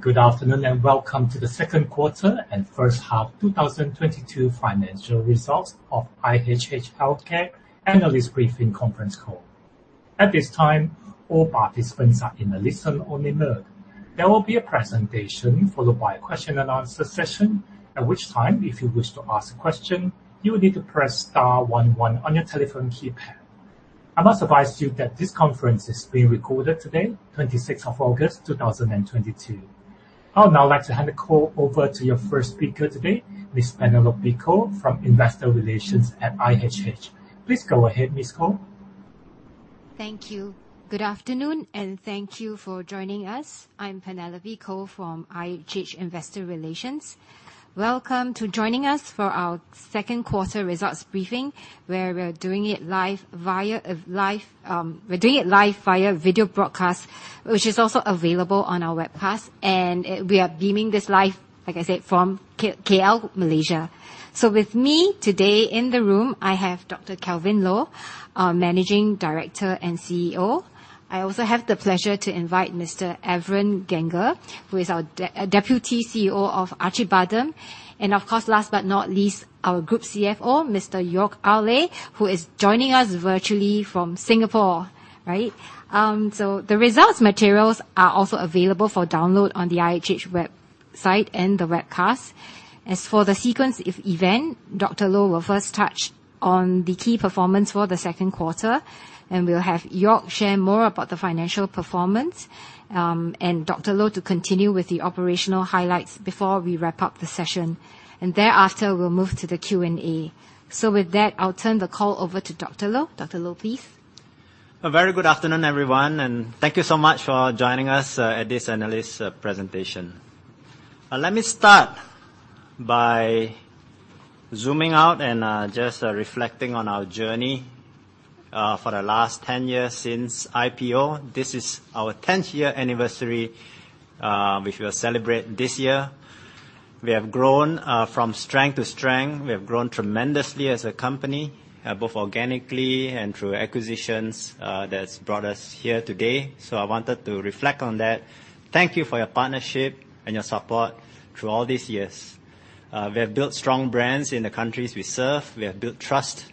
Good afternoon and welcome to the second quarter and first half 2022 financial results of IHH Healthcare analyst briefing conference call. At this time, all participants are in a listen-only mode. There will be a presentation followed by a question-and-answer session, at which time, if you wish to ask a question, you will need to press star one one on your telephone keypad. I must advise you that this conference is being recorded today, 26th of August, 2022. I would now like to hand the call over to your first speaker today, Ms. Penelope Koh, from Investor Relations at IHH. Please go ahead, Ms. Koh. Thank you. Good afternoon, and thank you for joining us. I'm Penelope Koh from IHH Investor Relations. Welcome to joining us for our second quarter results briefing, where we're doing it live via video broadcast, which is also available on our webcast. We are beaming this live, like I said, from KL, Malaysia. With me today in the room, I have Dr. Kelvin Loh, our Managing Director and CEO. I also have the pleasure to invite Mr. Evren Gence, who is our Deputy CEO of Acıbadem. Of course, last but not least, our Group CFO, Mr. Joerg Ayrle, who is joining us virtually from Singapore. The results materials are also available for download on the IHH website and the webcast. As for the sequence of events, Dr. Loh will first touch on the key performance for the second quarter, and we'll have Joerg share more about the financial performance, and Dr. Loh to continue with the operational highlights before we wrap up the session. Thereafter, we'll move to the Q&A. With that, I'll turn the call over to Dr. Loh. Dr. Loh, please. A very good afternoon, everyone, and thank you so much for joining us at this analyst presentation. Let me start by zooming out and just reflecting on our journey for the last 10 years since IPO. This is our 10th year anniversary, which we are celebrating this year. We have grown from strength to strength. We have grown tremendously as a company, both organically and through acquisitions, that's brought us here today. I wanted to reflect on that. Thank you for your partnership and your support through all these years. We have built strong brands in the countries we serve. We have built trust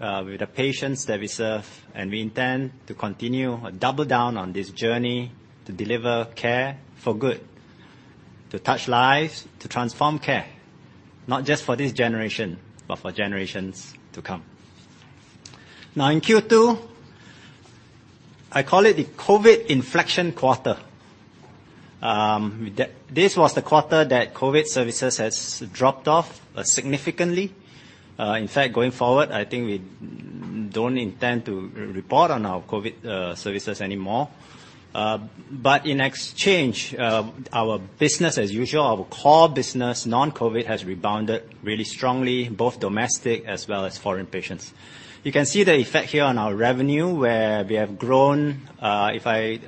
with the patients that we serve, and we intend to continue or double down on this journey to deliver care for good, to touch lives, to transform care, not just for this generation, but for generations to come. Now, in Q2, I call it the COVID inflection quarter. This was the quarter that COVID services has dropped off significantly. In fact, going forward, I think we don't intend to report on our COVID services anymore. In exchange, our business as usual, our core business, non-COVID, has rebounded really strongly, both domestic as well as foreign patients. You can see the effect here on our revenue, where we have grown. If I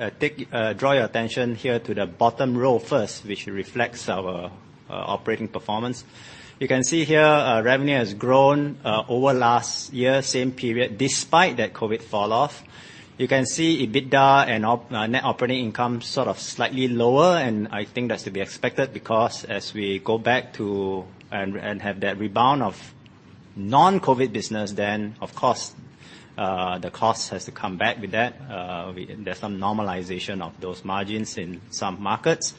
draw your attention here to the bottom row first, which reflects our operating performance. You can see here, revenue has grown over last year same period, despite that COVID falloff. You can see EBITDA and net operating income sort of slightly lower, and I think that's to be expected because as we go back to and have that rebound of non-COVID business, then, of course, the cost has to come back with that. There's some normalization of those margins in some markets.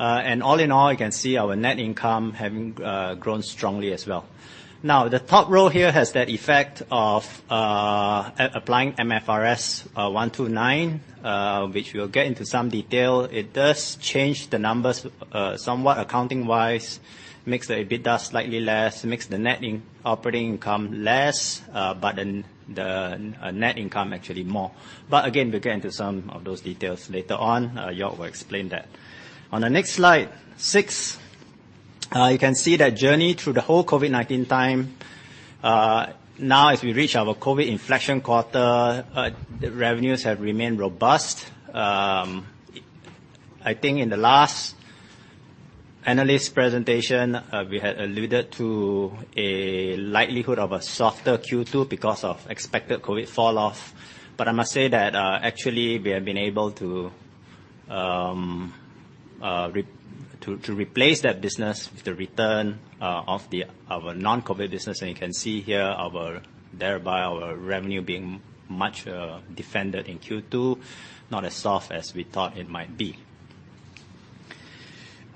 All in all, you can see our net income having grown strongly as well. Now, the top row here has that effect of applying MFRS 129, which we'll get into some detail. It does change the numbers somewhat accounting-wise, makes the EBITDA slightly less, makes the net operating income less, but then the net income actually more. Again, we'll get into some of those details later on. Joerg will explain that. On the next slide 6, you can see that journey through the whole COVID-19 time. Now as we reach our COVID inflection quarter, the revenues have remained robust. I think in the last analyst presentation, we had alluded to a likelihood of a softer Q2 because of expected COVID falloff. I must say that, actually, we have been able to to replace that business with the return of our non-COVID business. You can see here our thereby our revenue being much defended in Q2, not as soft as we thought it might be.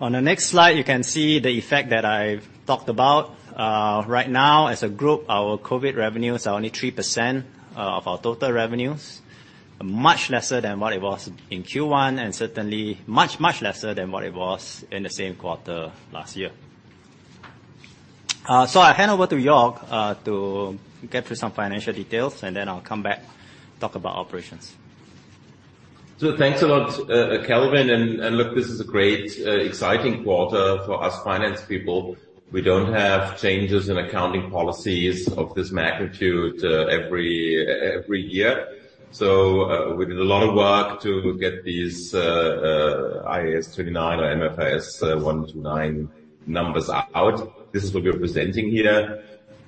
On the next slide, you can see the effect that I've talked about. Right now, as a group, our COVID revenues are only 3% of our total revenues, much lesser than what it was in Q1, and certainly much, much lesser than what it was in the same quarter last year. I hand over to Joerg to get through some financial details, and then I'll come back, talk about operations. Thanks a lot, Kelvin. Look, this is a great, exciting quarter for us finance people. We don't have changes in accounting policies of this magnitude every year. We did a lot of work to get these IAS 29 or MFRS 129 numbers out. This is what we're presenting here.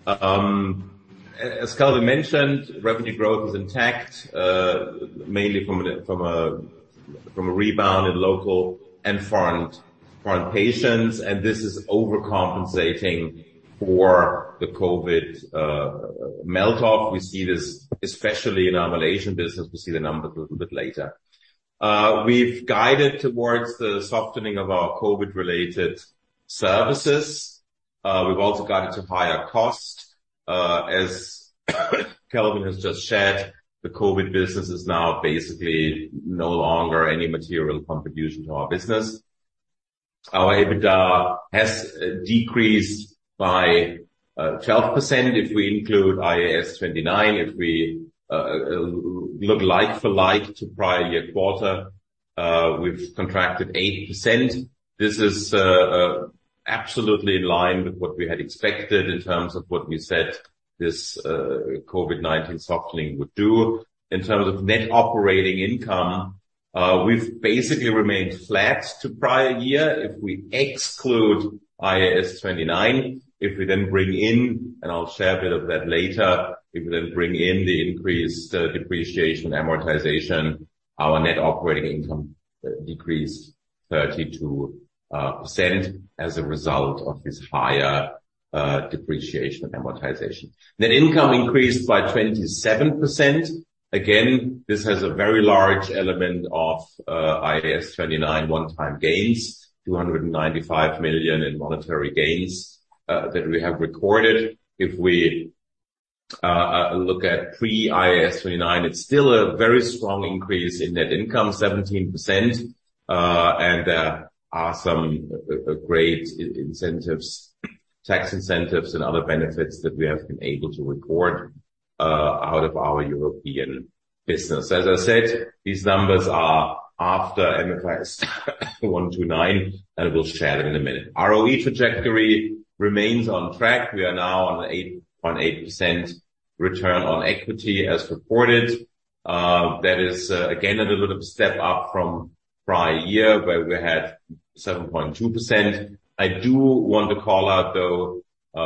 As Kelvin mentioned, revenue growth is intact, mainly from a rebound in local and foreign patients. This is overcompensating for the COVID melt off. We see this especially in our Malaysian business. We'll see the numbers a little bit later. We've guided towards the softening of our COVID-related services. We've also guided to higher costs. As Kelvin has just shared, the COVID business is now basically no longer any material contribution to our business. Our EBITDA has decreased by 12% if we include IAS 29. If we look like for like to prior year quarter, we've contracted 8%. This is absolutely in line with what we had expected in terms of what we said this COVID-19 softening would do. In terms of net operating income, we've basically remained flat to prior year if we exclude IAS 29. If we then bring in, and I'll share a bit of that later, if we then bring in the increased depreciation amortization, our net operating income decreased 32% as a result of this higher depreciation amortization. Net income increased by 27%. Again, this has a very large element of IAS 29 one-time gains, 295 million in monetary gains that we have recorded. If we look at pre-IAS 29, it's still a very strong increase in net income, 17%. There are some great incentives, tax incentives, and other benefits that we have been able to record out of our European business. As I said, these numbers are after MFRS 129, and we'll share them in a minute. ROE trajectory remains on track. We are now on 8.8% return on equity as reported. That is again a little bit of step up from prior year where we had 7.2%. I do want to call out, though,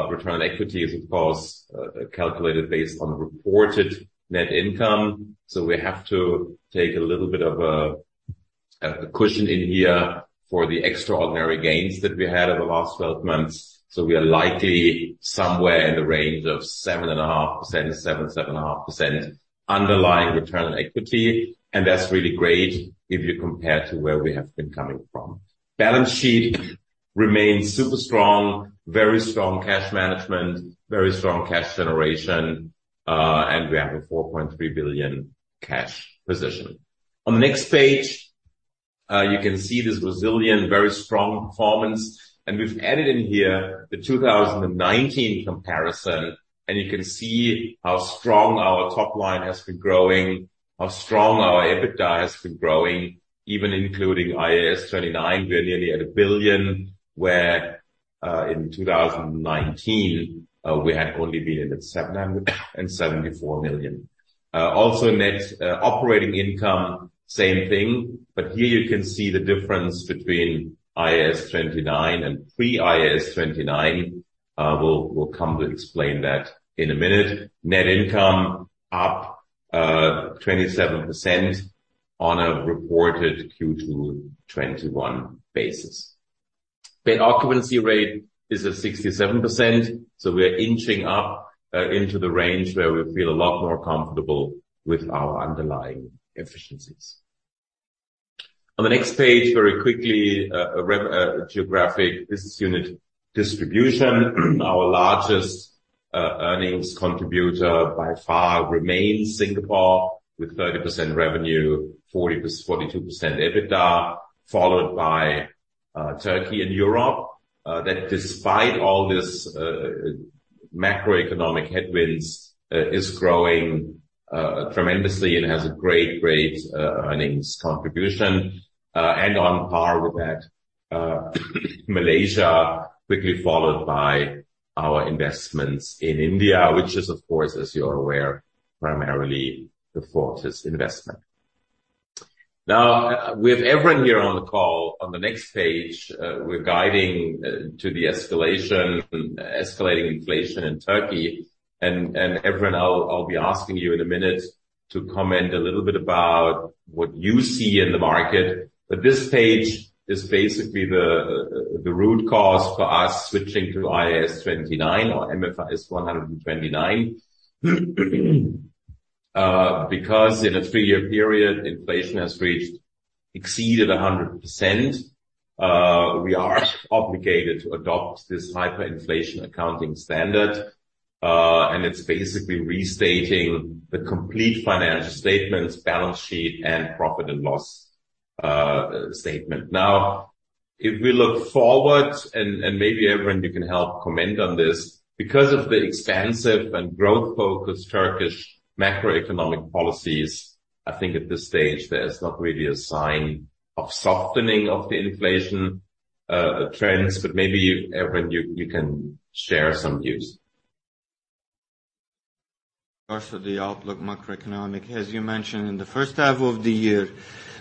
return on equity is of course calculated based on reported net income. So we have to take a little bit of a cushion in here for the extraordinary gains that we had over the last 12 months. So we are likely somewhere in the range of 7%-7.5% underlying return on equity. That's really great if you compare to where we have been coming from. Balance sheet remains super strong, very strong cash management, very strong cash generation, and we have a 4.3 billion cash position. On the next page, you can see this resilient, very strong performance. We've added in here the 2019 comparison, and you can see how strong our top line has been growing, how strong our EBITDA has been growing. Even including IAS 29, we're nearly at a 1 billion, where in 2019 we had only been at 774 million. Also net operating income, same thing. Here you can see the difference between IAS 29 and pre-IAS 29. We'll come to explain that in a minute. Net income up 27% on a reported Q2 2021 basis. Bed occupancy rate is at 67%, so we are inching up into the range where we feel a lot more comfortable with our underlying efficiencies. On the next page, very quickly, geographic business unit distribution. Our largest earnings contributor by far remains Singapore with 30% revenue, 42% EBITDA, followed by Turkey and Europe. That despite all this macroeconomic headwinds is growing tremendously and has a great earnings contribution. And on par with that, Malaysia, quickly followed by our investments in India, which is of course, as you're aware, primarily the Fortis investment. Now, with Evren here on the call, on the next page, we're guiding to the escalating inflation in Turkey. Evren, I'll be asking you in a minute to comment a little bit about what you see in the market. This page is basically the root cause for us switching to IAS 29 or MFRS 129. Because in a three-year period, inflation has exceeded 100%. We are obligated to adopt this hyperinflation accounting standard, and it's basically restating the complete financial statements, balance sheet, and profit and loss statement. Now, if we look forward, maybe Evren, you can help comment on this. Because of the expansive and growth-focused Turkish macroeconomic policies, I think at this stage there is not really a sign of softening of the inflation trends, but maybe you, Evren, you can share some views. The macroeconomic outlook. As you mentioned, in the first half of the year,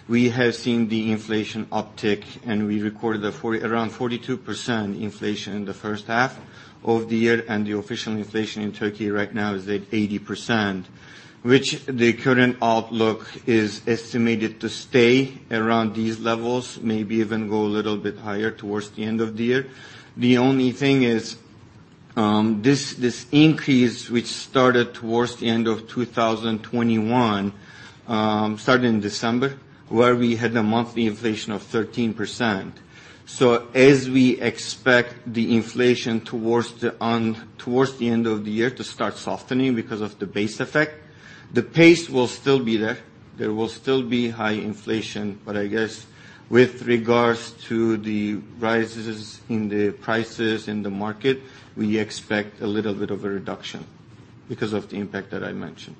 we have seen the inflation uptick and we recorded around 42% inflation in the first half of the year. The official inflation in Turkey right now is at 80%, which the current outlook is estimated to stay around these levels, maybe even go a little bit higher towards the end of the year. The only thing is, this increase, which started towards the end of 2021, started in December, where we had a monthly inflation of 13%. We expect the inflation towards the end of the year to start softening because of the base effect, the pace will still be there. There will still be high inflation, but I guess with regards to the rises in the prices in the market, we expect a little bit of a reduction because of the impact that I mentioned.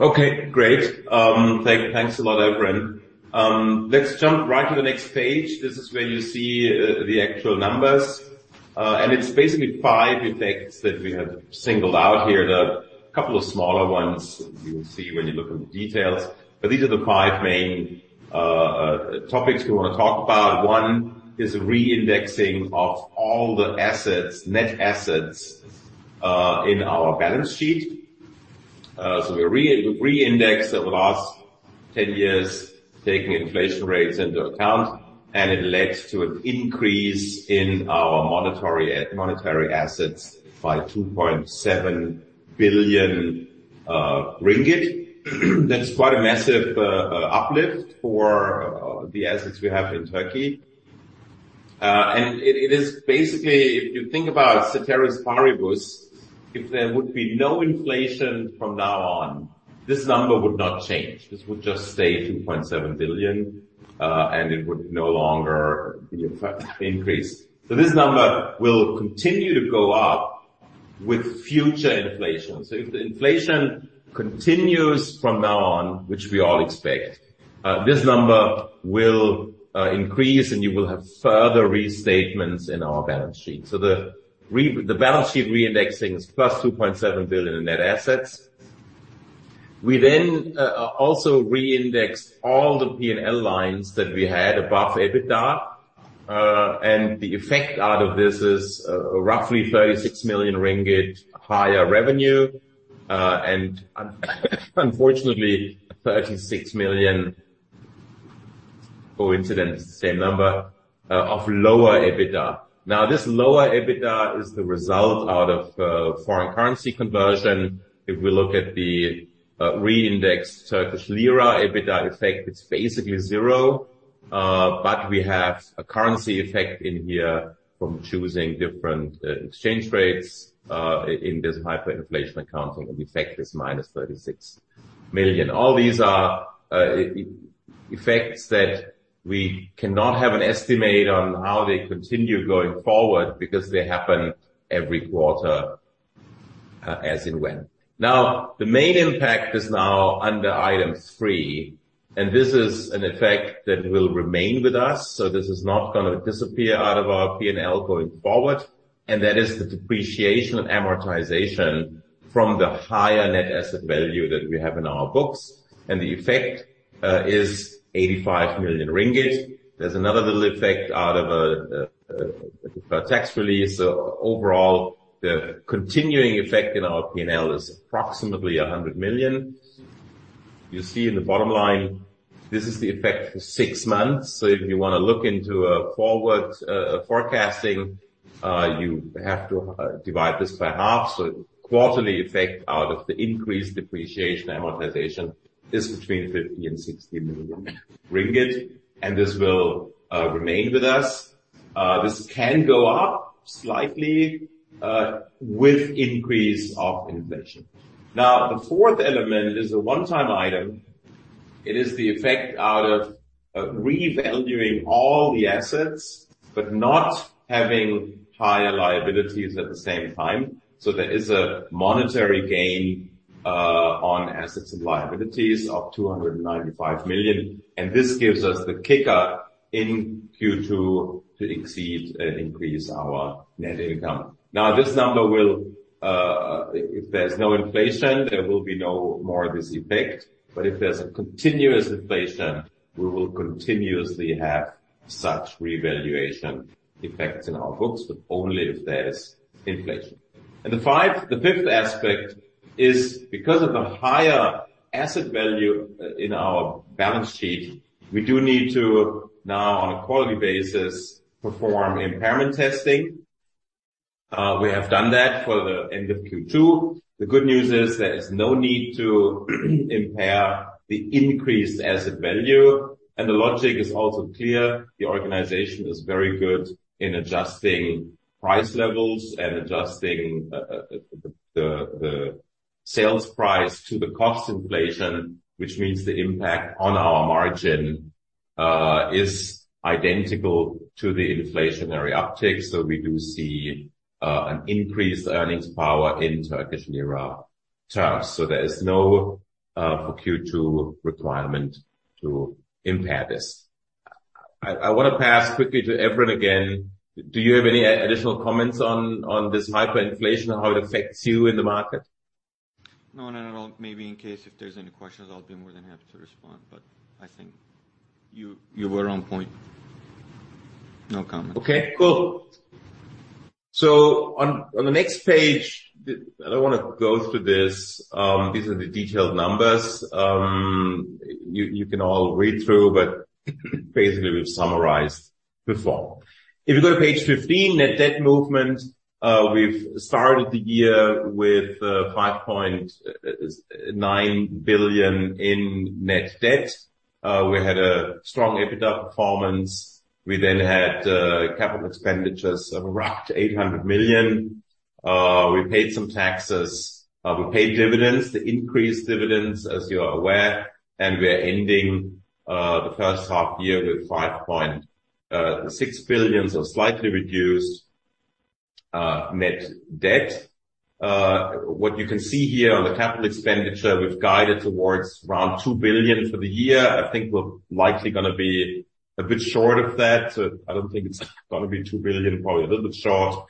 Okay, great. Thanks a lot, Evren. Let's jump right to the next page. This is where you see the actual numbers. It's basically five effects that we have singled out here. There are a couple of smaller ones you will see when you look at the details, but these are the five main topics we wanna talk about. One is re-indexing of all the assets, net assets, in our balance sheet. So we re-indexed over the last 10 years, taking inflation rates into account, and it led to an increase in our monetary assets by 2.7 billion ringgit. That's quite a massive uplift for the assets we have in Turkey. It is basically, if you think about ceteris paribus, if there would be no inflation from now on, this number would not change. This would just stay 2.7 billion, and it would no longer increase. This number will continue to go up with future inflation. If the inflation continues from now on, which we all expect, this number will increase, and you will have further restatements in our balance sheet. The balance sheet re-indexing is +2.7 billion in net assets. We then also re-indexed all the P&L lines that we had above EBITDA, and the effect out of this is roughly 36 million ringgit higher revenue, and unfortunately 36 million, coincidence the same number, of lower EBITDA. Now, this lower EBITDA is the result out of foreign currency conversion. If we look at the re-indexed Turkish lira EBITDA effect, it's basically zero, but we have a currency effect in here from choosing different exchange rates, in this hyperinflation accounting effect is -36 million. All these are effects that we cannot have an estimate on how they continue going forward because they happen every quarter. Now, the main impact is now under item three, and this is an effect that will remain with us, so this is not gonna disappear out of our P&L going forward, and that is the depreciation and amortization from the higher net asset value that we have in our books, and the effect is 85 million ringgit. There's another little effect out of a tax release. Overall, the continuing effect in our P&L is approximately 100 million. You see in the bottom line, this is the effect for six months. If you wanna look into a forward forecasting, you have to divide this by half. Quarterly effect out of the increased depreciation amortization is between 50 million and 60 million ringgit, and this will remain with us. This can go up slightly with increase of inflation. Now, the fourth element is a one-time item. It is the effect out of revaluing all the assets but not having higher liabilities at the same time. There is a monetary gain on assets and liabilities of 295 million, and this gives us the kicker in Q2 to exceed and increase our net income. Now this number will, if there's no inflation, there will be no more of this effect, but if there's a continuous inflation, we will continuously have such revaluation effects in our books, but only if there is inflation. The fifth aspect is because of the higher asset value in our balance sheet, we do need to now on a quarterly basis, perform impairment testing. We have done that for the end of Q2. The good news is there is no need to impair the increased asset value, and the logic is also clear. The organization is very good in adjusting price levels and adjusting the sales price to the cost inflation, which means the impact on our margin is identical to the inflationary uptick. We do see an increased earnings power in Turkish lira terms. There is no, for Q2, requirement to impair this. I wanna pass quickly to Evren again. Do you have any additional comments on this hyperinflation, how it affects you in the market? No, not at all. Maybe in case if there's any questions, I'll be more than happy to respond, but I think you were on point. No comment. Okay, cool. On the next page, I don't wanna go through this. These are the detailed numbers. You can all read through, but basically we've summarized before. If you go to page 15, net debt movement, we've started the year with 5.9 billion in net debt. We had a strong EBITDA performance. We then had capital expenditures of around 800 million. We paid some taxes, we paid dividends, the increased dividends as you are aware, and we are ending the first half year with 5.6 billion, so slightly reduced net debt. What you can see here on the capital expenditure, we've guided towards around 2 billion for the year. I think we're likely gonna be a bit short of that. I don't think it's gonna be 2 billion, probably a little bit short.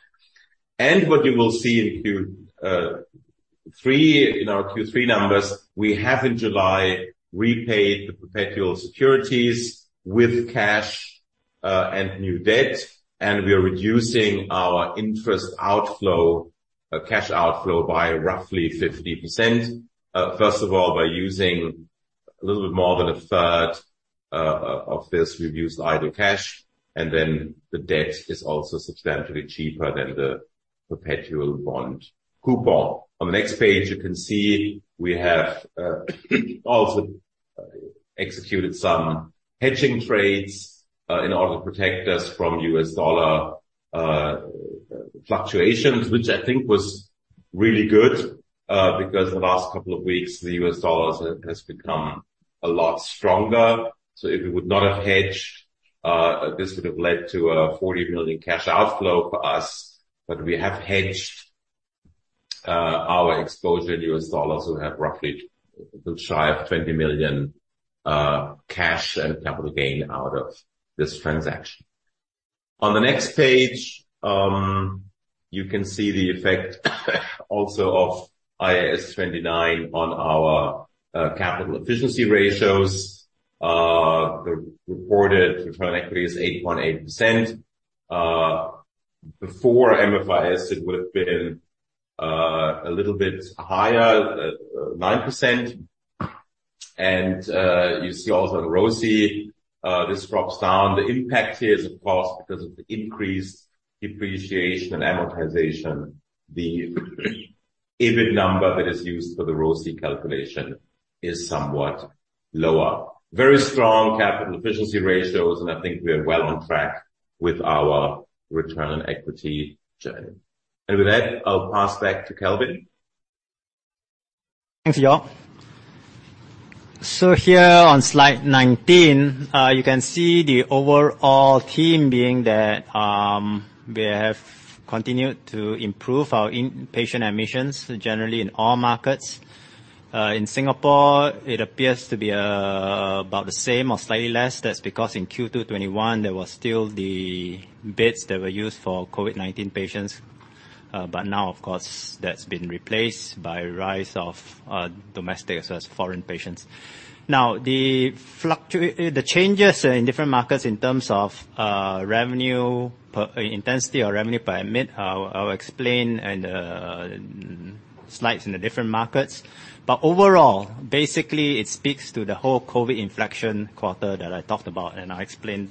What you will see in Q3, in our Q3 numbers, we have in July repaid the perpetual securities with cash and new debt, and we are reducing our interest outflow, cash outflow by roughly 50%. First of all, by using a little bit more than a third of this, we've used idle cash, and then the debt is also substantially cheaper than the perpetual bond coupon. On the next page, you can see we have also executed some hedging trades in order to protect us from U.S. dollar fluctuations, which I think was really good, because the last couple of weeks, the U.S. dollar has become a lot stronger. If we would not have hedged, this would have led to a 40 million cash outflow for us. We have hedged our exposure to U.S. dollars. We have roughly a little shy of 20 million cash and capital gain out of this transaction. On the next page, you can see the effect also of IAS 29 on our capital efficiency ratios. The reported return on equity is 8.8%. Before MFRS, it would have been a little bit higher, 9%. You see also in ROIC, this drops down. The impact here is of course because of the increased depreciation and amortization. The EBIT number that is used for the ROIC calculation is somewhat lower. Very strong capital efficiency ratios and I think we are well on track with our return on equity journey. With that, I'll pass back to Kelvin. Thanks Joerg. Here on slide 19, you can see the overall theme being that we have continued to improve our in-patient admissions, generally in all markets. In Singapore, it appears to be about the same or slightly less. That's because in Q2 2021, there was still the beds that were used for COVID-19 patients. Now, of course, that's been replaced by rise of domestic as well as foreign patients. The changes in different markets in terms of revenue per intensity or revenue per admit, I'll explain in the slides in the different markets. Overall, basically it speaks to the whole COVID inflection quarter that I talked about, and I explained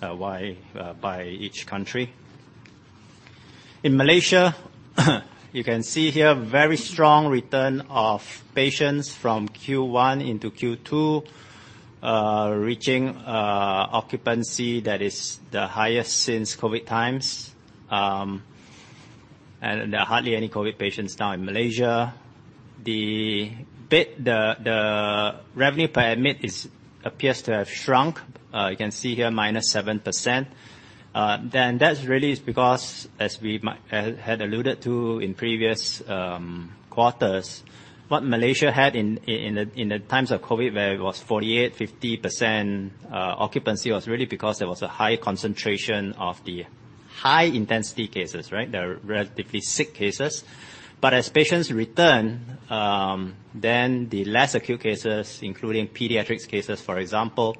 why by each country. In Malaysia, you can see here very strong return of patients from Q1 into Q2, reaching occupancy that is the highest since COVID times. There are hardly any COVID patients now in Malaysia. The revenue per admit appears to have shrunk. You can see here -7%. That's really because as we had alluded to in previous quarters, what Malaysia had in the times of COVID, where it was 48%, 50% occupancy was really because there was a high concentration of the high intensity cases, right? The relatively sick cases. As patients return, the less acute cases, including pediatrics cases, for example,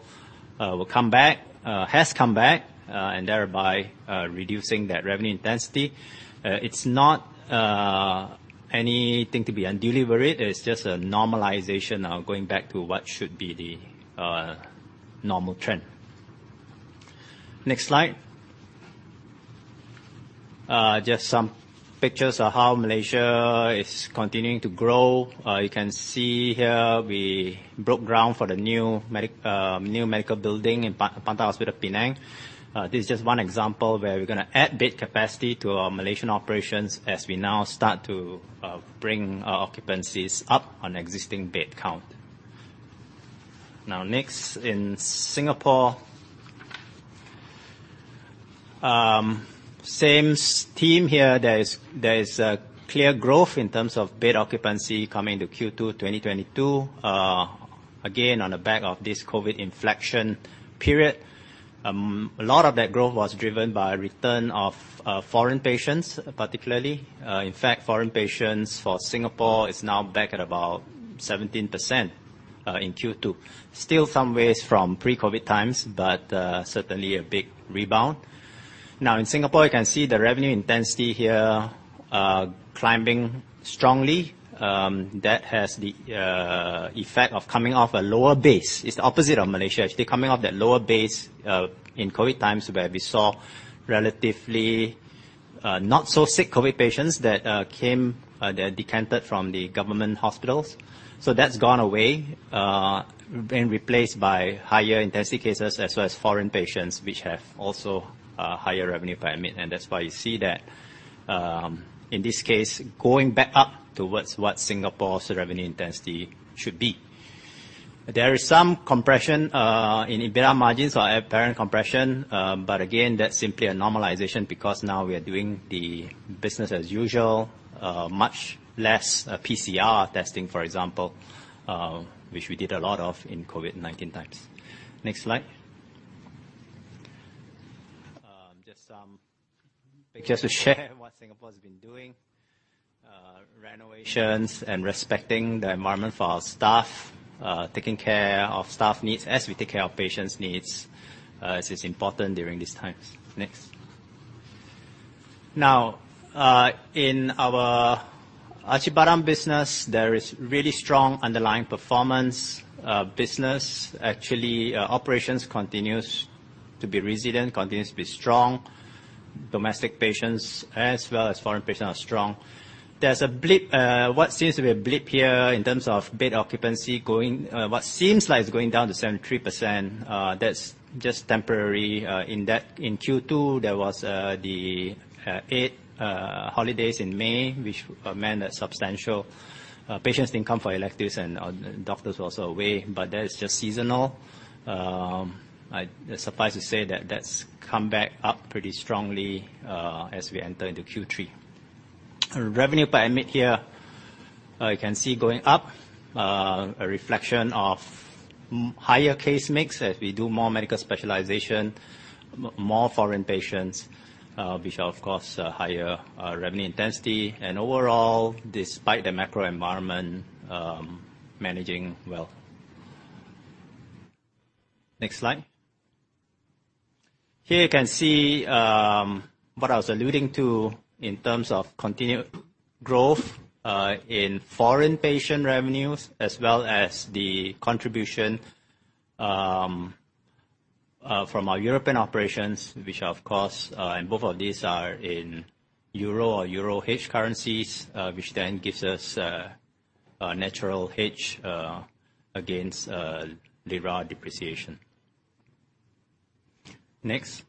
will come back, has come back, and thereby reducing that revenue intensity. It's not anything to be undelivered. It's just a normalization now going back to what should be the normal trend. Next slide. Just some pictures of how Malaysia is continuing to grow. You can see here we broke ground for the new medical building in Pantai Hospital Penang. This is just one example where we're gonna add bed capacity to our Malaysian operations as we now start to bring our occupancies up on existing bed count. Now next, in Singapore. Same theme here. There is clear growth in terms of bed occupancy coming to Q2 2022. Again, on the back of this COVID inflection period. A lot of that growth was driven by return of foreign patients, particularly. In fact, foreign patients for Singapore is now back at about 17%, in Q2. Still some ways from pre-COVID times, but certainly a big rebound. Now, in Singapore, you can see the revenue intensity here climbing strongly. That has the effect of coming off a lower base. It's the opposite of Malaysia. Actually coming off that lower base in COVID times where we saw relatively not so sick COVID patients that came, they're decanted from the government hospitals. So that's gone away, been replaced by higher intensity cases as well as foreign patients, which have also higher revenue per admit. That's why you see that in this case, going back up towards what Singapore's revenue intensity should be. There is some compression in EBITDA margins or apparent compression. Again, that's simply a normalization because now we are doing the business as usual. Much less PCR testing, for example, which we did a lot of in COVID-19 times. Next slide. Just some pictures to share what Singapore's been doing. Renovations and respecting the environment for our staff. Taking care of staff needs as we take care of patients' needs, as is important during these times. Next. Now, in our Acıbadem business, there is really strong underlying performance, business. Actually, operations continues to be resilient, continues to be strong. Domestic patients as well as foreign patients are strong. There's a blip, what seems to be a blip here in terms of bed occupancy going, what seems like it's going down to 73%. That's just temporary. In Q2, there was the Eid holidays in May, which meant substantially patients didn't come for electives and doctors were also away, but that is just seasonal. Suffice to say that that's come back up pretty strongly as we enter into Q3. Revenue per admit here, you can see going up. A reflection of higher case mix as we do more medical specialization, more foreign patients, which of course higher revenue intensity. Overall, despite the macro environment, managing well. Next slide. Here you can see what I was alluding to in terms of continued growth in foreign patient revenues, as well as the contribution from our European operations, which of course and both of these are in euro or euro hedge currencies. Which then gives us a natural hedge against the lira depreciation. Next.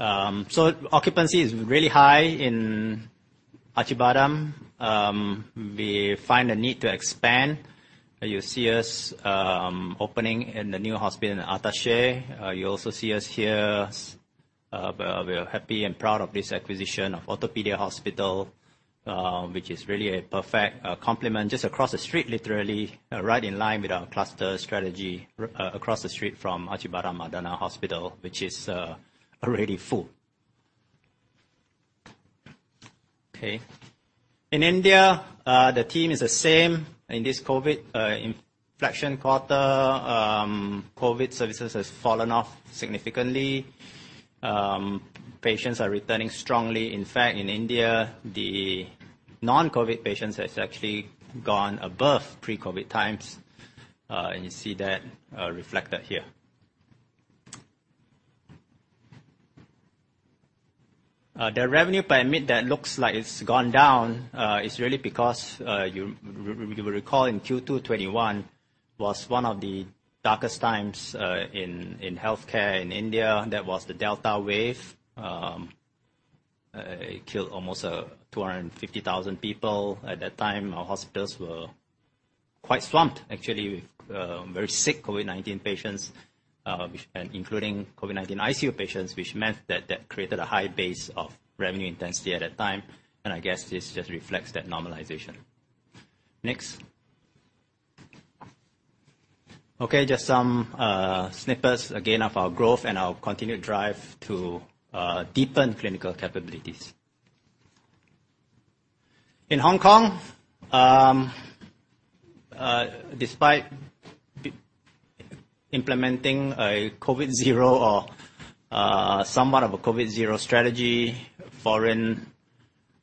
Occupancy is really high in Acıbadem. We find the need to expand. You see us opening in the new hospital in Ataşehir. You also see us here. We're happy and proud of this acquisition of Ortopedia Hospital, which is really a perfect complement just across the street, literally right in line with our cluster strategy, across the street from Acıbadem Maslak Hospital, which is already full. Okay. In India, the trend is the same. In this COVID inflection quarter, COVID services has fallen off significantly. Patients are returning strongly. In fact, in India, the non-COVID patients has actually gone above pre-COVID times. You see that reflected here. The revenue per admit that looks like it's gone down is really because you will recall in Q2 2021 was one of the darkest times in healthcare in India. That was the Delta wave. It killed almost 250,000 people. At that time, our hospitals were quite swamped, actually, with very sick COVID-19 patients, and including COVID-19 ICU patients, which meant that that created a high base of revenue intensity at that time, and I guess this just reflects that normalization. Next. Okay, just some snippets again of our growth and our continued drive to deepen clinical capabilities. In Hong Kong, despite implementing a COVID zero or somewhat of a COVID zero strategy,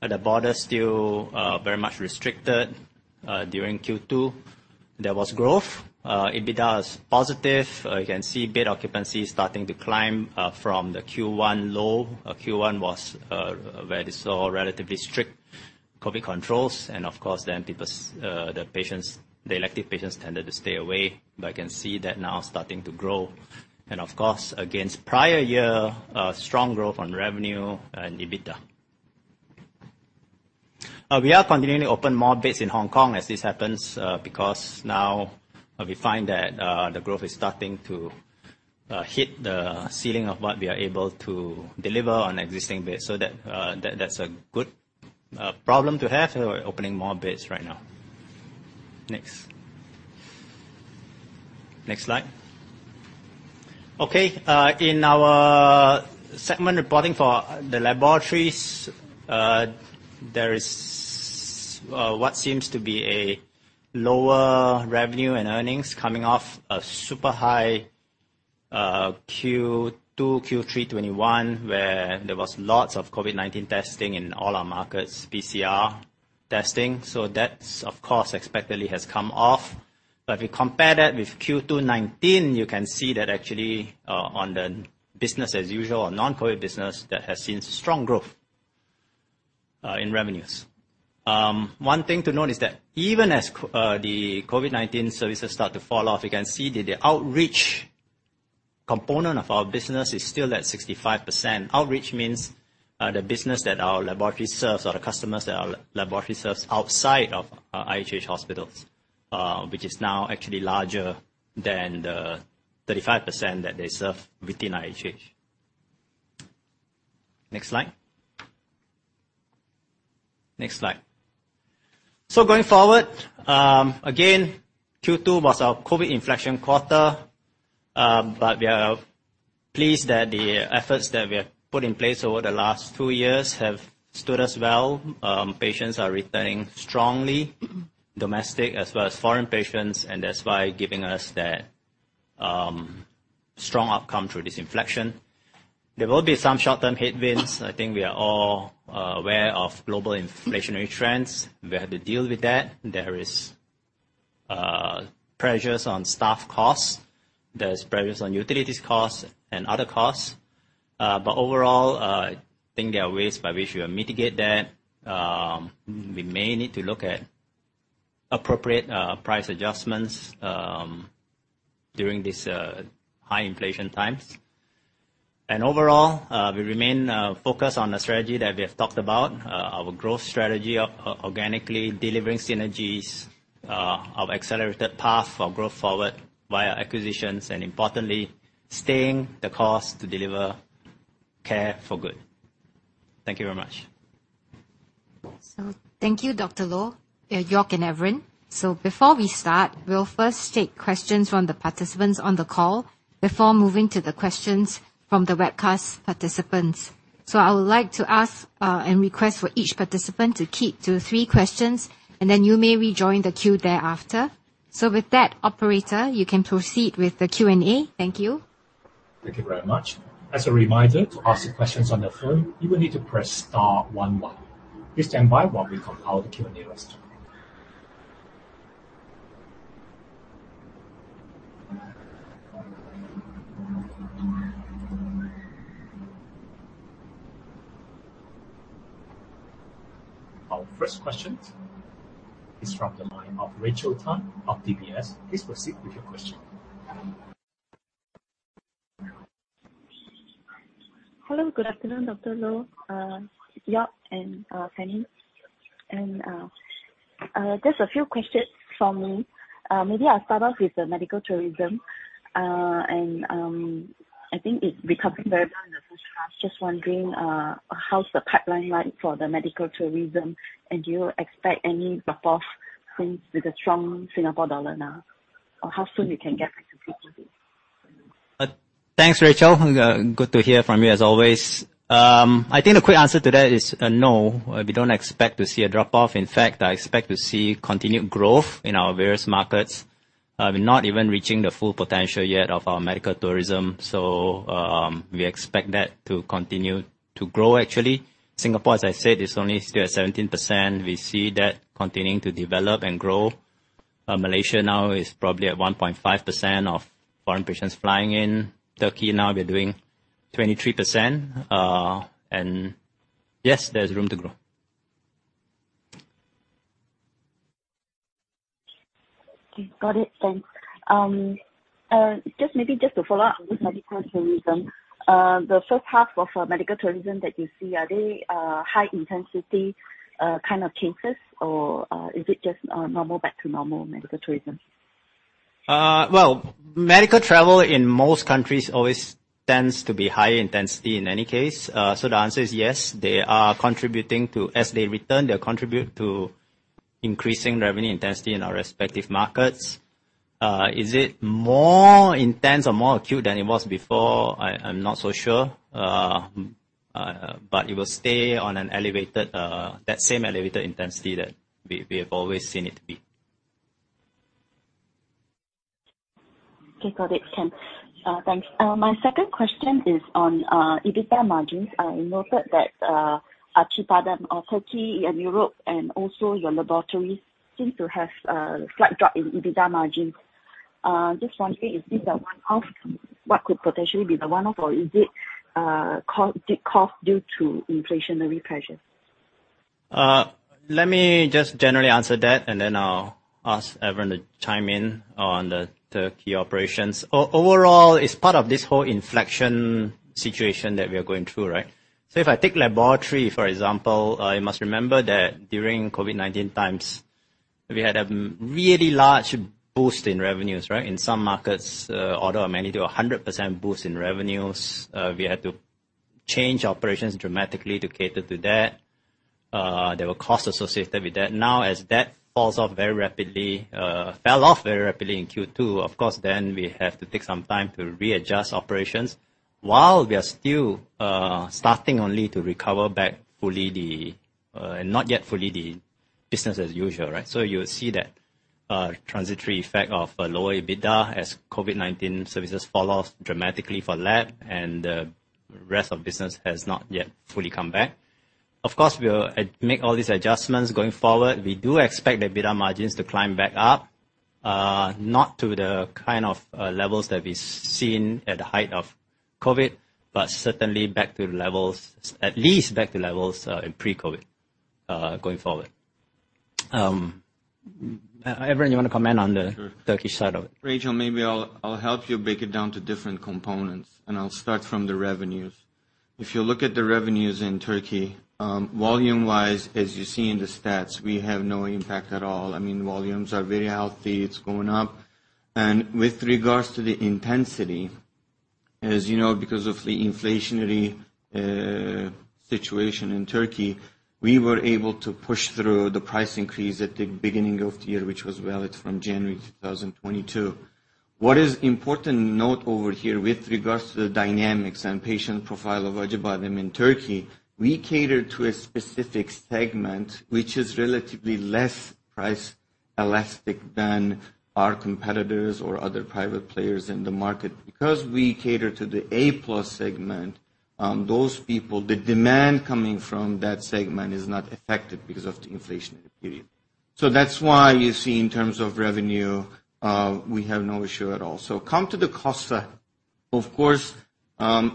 the border still very much restricted during Q2. There was growth. EBITDA is positive. You can see bed occupancy starting to climb from the Q1 low. Q1 was where they saw relatively strict COVID controls, and of course then the patients, the elective patients tended to stay away. I can see that now starting to grow. Of course, against prior year, strong growth on revenue and EBITDA. We are continuing to open more beds in Hong Kong as this happens, because now we find that the growth is starting to hit the ceiling of what we are able to deliver on existing beds. That's a good problem to have. We're opening more beds right now. Next. Next slide. Okay. In our segment reporting for the laboratories, there is what seems to be a lower revenue and earnings coming off a super high Q2, Q3 2021, where there was lots of COVID-19 testing in all our markets, PCR testing. That's, of course, expectedly has come off. If you compare that with Q2 2019, you can see that actually on the business as usual or non-COVID business, that has seen strong growth in revenues. One thing to note is that even as the COVID-19 services start to fall off, you can see that the outreach component of our business is still at 65%. Outreach means the business that our laboratory serves or the customers that our laboratory serves outside of IHH hospitals, which is now actually larger than the 35% that they serve within IHH. Next slide. Going forward, again, Q2 was our COVID inflection quarter. We are pleased that the efforts that we have put in place over the last two years have stood us well. Patients are returning strongly, domestic as well as foreign patients, and that's why giving us that strong outcome through this inflection. There will be some short-term headwinds. I think we are all aware of global inflationary trends. We have to deal with that. There is pressures on staff costs. There's pressures on utilities costs and other costs. Overall, I think there are ways by which we'll mitigate that. We may need to look at appropriate price adjustments during this high inflation times. Overall, we remain focused on the strategy that we have talked about. Our growth strategy of organically delivering synergies, our accelerated path of growth forward via acquisitions, and importantly, staying the course to deliver care for good. Thank you very much. Thank you, Dr. Loh, Joerg and Evren. Before we start, we'll first take questions from the participants on the call before moving to the questions from the webcast participants. I would like to ask, and request for each participant to keep to three questions, and then you may rejoin the queue thereafter. With that, operator, you can proceed with the Q&A. Thank you. Thank you very much. As a reminder, to ask questions on the phone, you will need to press star one one. Please stand by while we compile the Q&A list. Our first question is from the line of Rachel Tan of DBS. Please proceed with your question. Hello, good afternoon, Dr. Loh, Joerg Ayrle and Penelope Koh. Just a few questions from me. Maybe I'll start off with the medical tourism. I think it's recovering very well in the first half. Just wondering, how's the pipeline like for the medical tourism, and do you expect any drop-off since with the strong Singapore dollar now? Or how soon you can get back to pre-COVID? Thanks, Rachel. Good to hear from you as always. I think the quick answer to that is, no. We don't expect to see a drop-off. In fact, I expect to see continued growth in our various markets. We're not even reaching the full potential yet of our medical tourism. We expect that to continue to grow actually. Singapore, as I said, is only still at 17%. We see that continuing to develop and grow. Malaysia now is probably at 1.5% of foreign patients flying in. Turkey now we're doing 23%. Yes, there's room to grow. Okay. Got it. Thanks. Just maybe to follow up on this medical tourism. The first half of medical tourism that you see, are they high-intensity kind of cases? Or, is it just normal back to normal medical tourism? Well, medical travel in most countries always tends to be high intensity in any case. The answer is yes, as they return, they contribute to increasing revenue intensity in our respective markets. Is it more intense or more acute than it was before? I'm not so sure. It will stay on an elevated, that same elevated intensity that we have always seen it to be. Okay. Got it. Thanks. Thanks. My second question is on EBITDA margins. I noted that Acıbadem or Turkey and Europe and also your laboratory seem to have slight drop in EBITDA margins. Just wondering, is this a one-off? What could potentially be the one-off or is it cost due to inflationary pressures? Let me just generally answer that, and then I'll ask Evren to chime in on the key operations. Overall, it's part of this whole inflection situation that we are going through, right? If I take laboratory, for example, you must remember that during COVID-19 times, we had a really large boost in revenues, right? In some markets, order of magnitude 100% boost in revenues. We had to change operations dramatically to cater to that. There were costs associated with that. Now, as that fell off very rapidly in Q2, of course, then we have to take some time to readjust operations while we are still starting only to recover back fully, not yet fully the business as usual, right? You will see that, transitory effect of a lower EBITDA as COVID-19 services fall off dramatically for lab and the rest of business has not yet fully come back. Of course, we'll make all these adjustments going forward. We do expect the EBITDA margins to climb back up, not to the kind of levels that we've seen at the height of COVID, but certainly back to the levels, at least in pre-COVID, going forward. Evren, you wanna comment on the- Sure. Turkey side of it? Rachel, maybe I'll help you break it down to different components, and I'll start from the revenues. If you look at the revenues in Turkey, volume-wise, as you see in the stats, we have no impact at all. I mean, volumes are very healthy. It's going up. With regards to the intensity, as you know, because of the inflationary situation in Turkey, we were able to push through the price increase at the beginning of the year, which was valid from January 2022. What is important to note over here with regards to the dynamics and patient profile of Acıbadem in Turkey, we cater to a specific segment which is relatively less price elastic than our competitors or other private players in the market. Because we cater to the A-plus segment, those people, the demand coming from that segment is not affected because of the inflationary period. That's why you see in terms of revenue, we have no issue at all. Come to the costs side. Of course,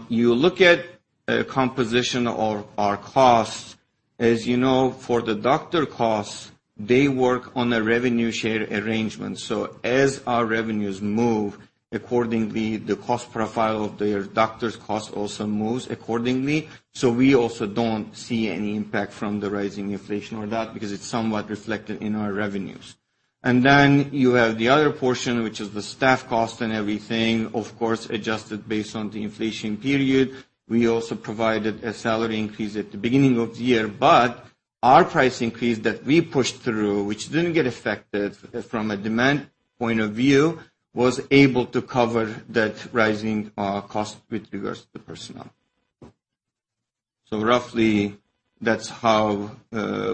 you look at a composition of our costs. As you know, for the doctor costs, they work on a revenue share arrangement. As our revenues move, accordingly, the cost profile of their doctor's cost also moves accordingly. We also don't see any impact from the rising inflation on that because it's somewhat reflected in our revenues. Then you have the other portion, which is the staff cost and everything, of course, adjusted based on the inflation period. We also provided a salary increase at the beginning of the year. Our price increase that we pushed through, which didn't get affected from a demand point of view, was able to cover that rising cost with regards to the personnel. Roughly, that's how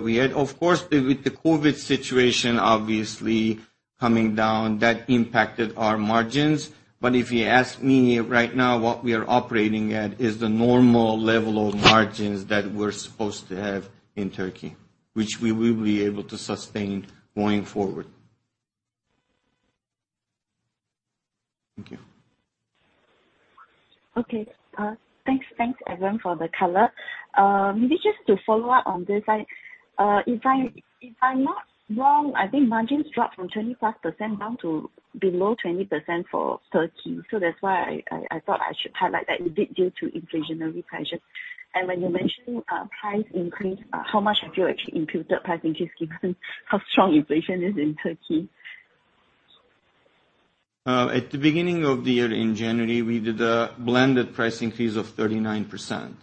we had. Of course, with the COVID situation obviously coming down, that impacted our margins. If you ask me right now, what we are operating at is the normal level of margins that we're supposed to have in Turkey, which we will be able to sustain going forward. Thank you. Okay. Thanks, Evren, for the color. Maybe just to follow up on this. If I'm not wrong, I think margins dropped from 25% down to below 20% for Turkey. That's why I thought I should highlight that a bit due to inflationary pressures. When you're mentioning price increase, how much have you actually included price increase given how strong inflation is in Turkey? At the beginning of the year in January, we did a blended price increase of 39%.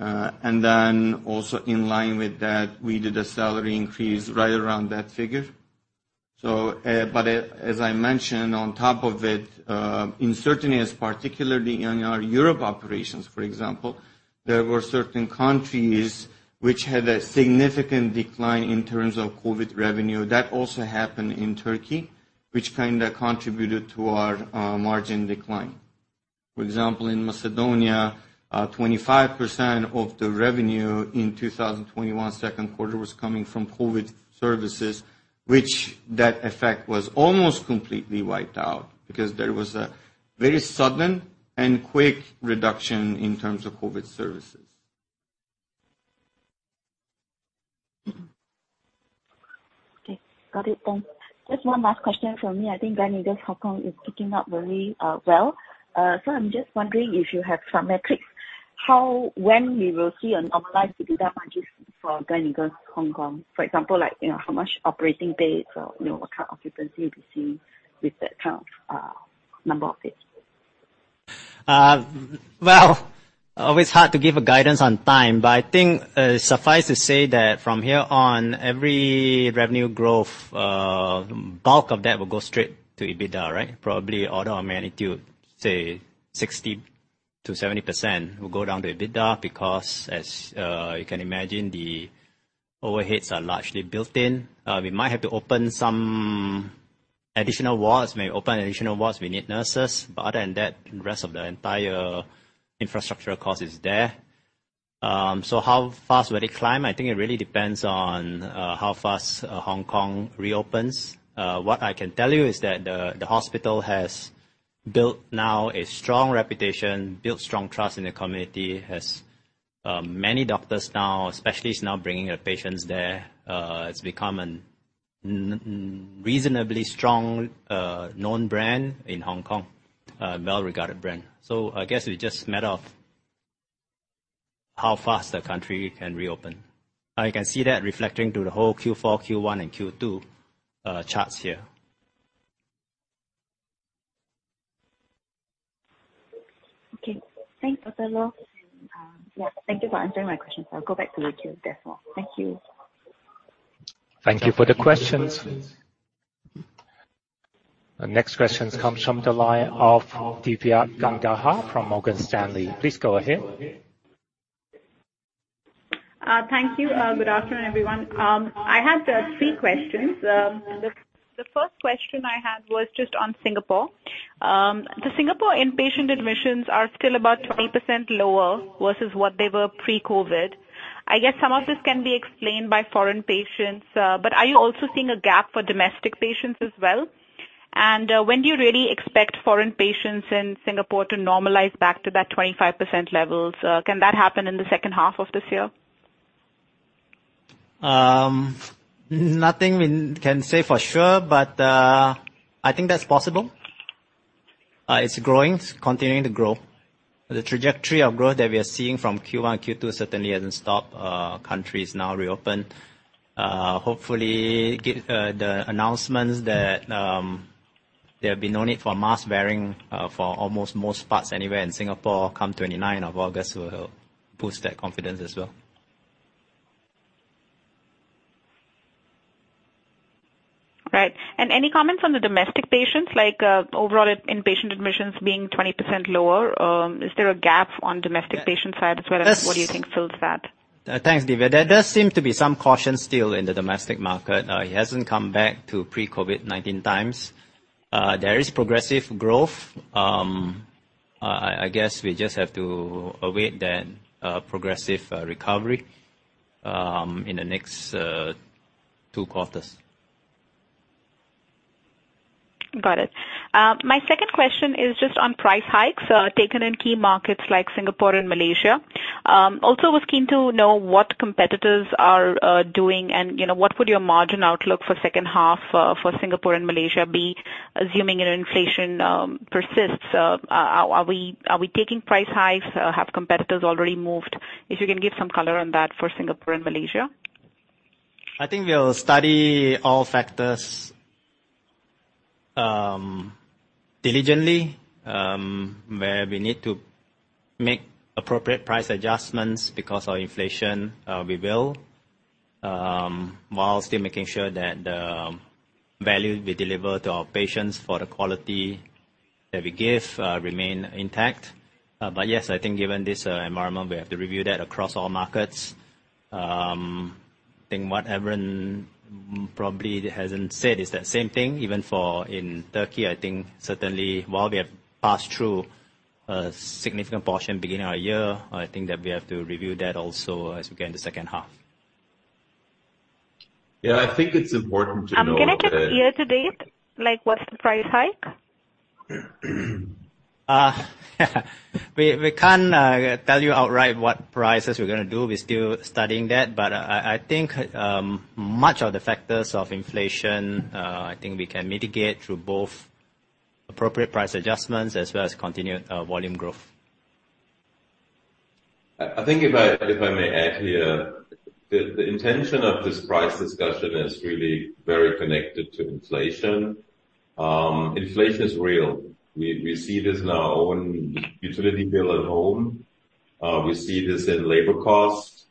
Then also in line with that, we did a salary increase right around that figure. As I mentioned on top of it, in certain areas, particularly in our European operations, for example, there were certain countries which had a significant decline in terms of COVID revenue. That also happened in Turkey, which kind of contributed to our margin decline. For example, in Macedonia, 25% of the revenue in 2021 second quarter was coming from COVID services, which that effect was almost completely wiped out because there was a very sudden and quick reduction in terms of COVID services. Okay. Got it. Thanks. Just one last question from me. I think Gleneagles Hong Kong is picking up very well. So I'm just wondering if you have some metrics how when we will see a normalized EBITDA margins for Gleneagles Hong Kong. For example, like, you know, how much operating beds or, you know, what kind of occupancy we'll be seeing with that kind of number of beds. Well, always hard to give a guidance on time, but I think, suffice to say that from here on, every revenue growth, bulk of that will go straight to EBITDA, right? Probably order of magnitude, say 60%-70% will go down to EBITDA because as, you can imagine, the overheads are largely built in. We might have to open some additional wards. When we open additional wards, we need nurses. But other than that, the rest of the entire infrastructure cost is there. So how fast will it climb? I think it really depends on, how fast, Hong Kong reopens. What I can tell you is that the hospital has built now a strong reputation, built strong trust in the community, has many doctors now, specialists now bringing their patients there. It's become a reasonably strong known brand in Hong Kong, a well-regarded brand. I guess it's just matter of how fast the country can reopen. You can see that reflecting through the whole Q4, Q1, and Q2 charts here. Okay. Thanks, Dr. Loh. Yeah, thank you for answering my questions. I'll go back to the queue, therefore. Thank you. Thank you for the questions. The next question comes from the line of Divya Gangahar from Morgan Stanley. Please go ahead. Thank you. Good afternoon, everyone. I have three questions. The first question I had was just on Singapore. The Singapore inpatient admissions are still about 20% lower versus what they were pre-COVID. I guess some of this can be explained by foreign patients, but are you also seeing a gap for domestic patients as well? When do you really expect foreign patients in Singapore to normalize back to that 25% levels? Can that happen in the second half of this year? Nothing we can say for sure, but I think that's possible. It's growing, continuing to grow. The trajectory of growth that we are seeing from Q1, Q2 certainly hasn't stopped. Countries now reopen. Hopefully the announcements that there'll be no need for mask-wearing for almost most parts anywhere in Singapore come 29 August will boost that confidence as well. Right. Any comments on the domestic patients, like, overall inpatient admissions being 20% lower? Is there a gap on domestic patient side as well? Yes. What do you think fills that? Thanks, Divya. There does seem to be some caution still in the domestic market. It hasn't come back to pre-COVID-19 times. There is progressive growth. I guess we just have to await that progressive recovery in the next two quarters. Got it. My second question is just on price hikes taken in key markets like Singapore and Malaysia. Also was keen to know what competitors are doing, and, you know, what would your margin outlook for second half for Singapore and Malaysia be, assuming an inflation persists. Are we taking price hikes? Have competitors already moved? If you can give some color on that for Singapore and Malaysia. I think we'll study all factors, diligently, where we need to make appropriate price adjustments because of inflation, we will, while still making sure that the value we deliver to our patients for the quality that we give, remain intact. Yes, I think given this environment, we have to review that across all markets. I think what Evren probably hasn't said is that same thing, even in Turkey, I think certainly while we have passed through a significant portion beginning of the year, I think that we have to review that also as we get in the second half. Yeah, I think it's important to know that. Can I get year-to-date, like what's the price hike? We can't tell you outright what prices we're gonna do. We're still studying that. I think much of the factors of inflation I think we can mitigate through both appropriate price adjustments as well as continued volume growth. I think if I may add here, the intention of this price discussion is really very connected to inflation. Inflation is real. We see this in our own utility bill at home. We see this in labor costs.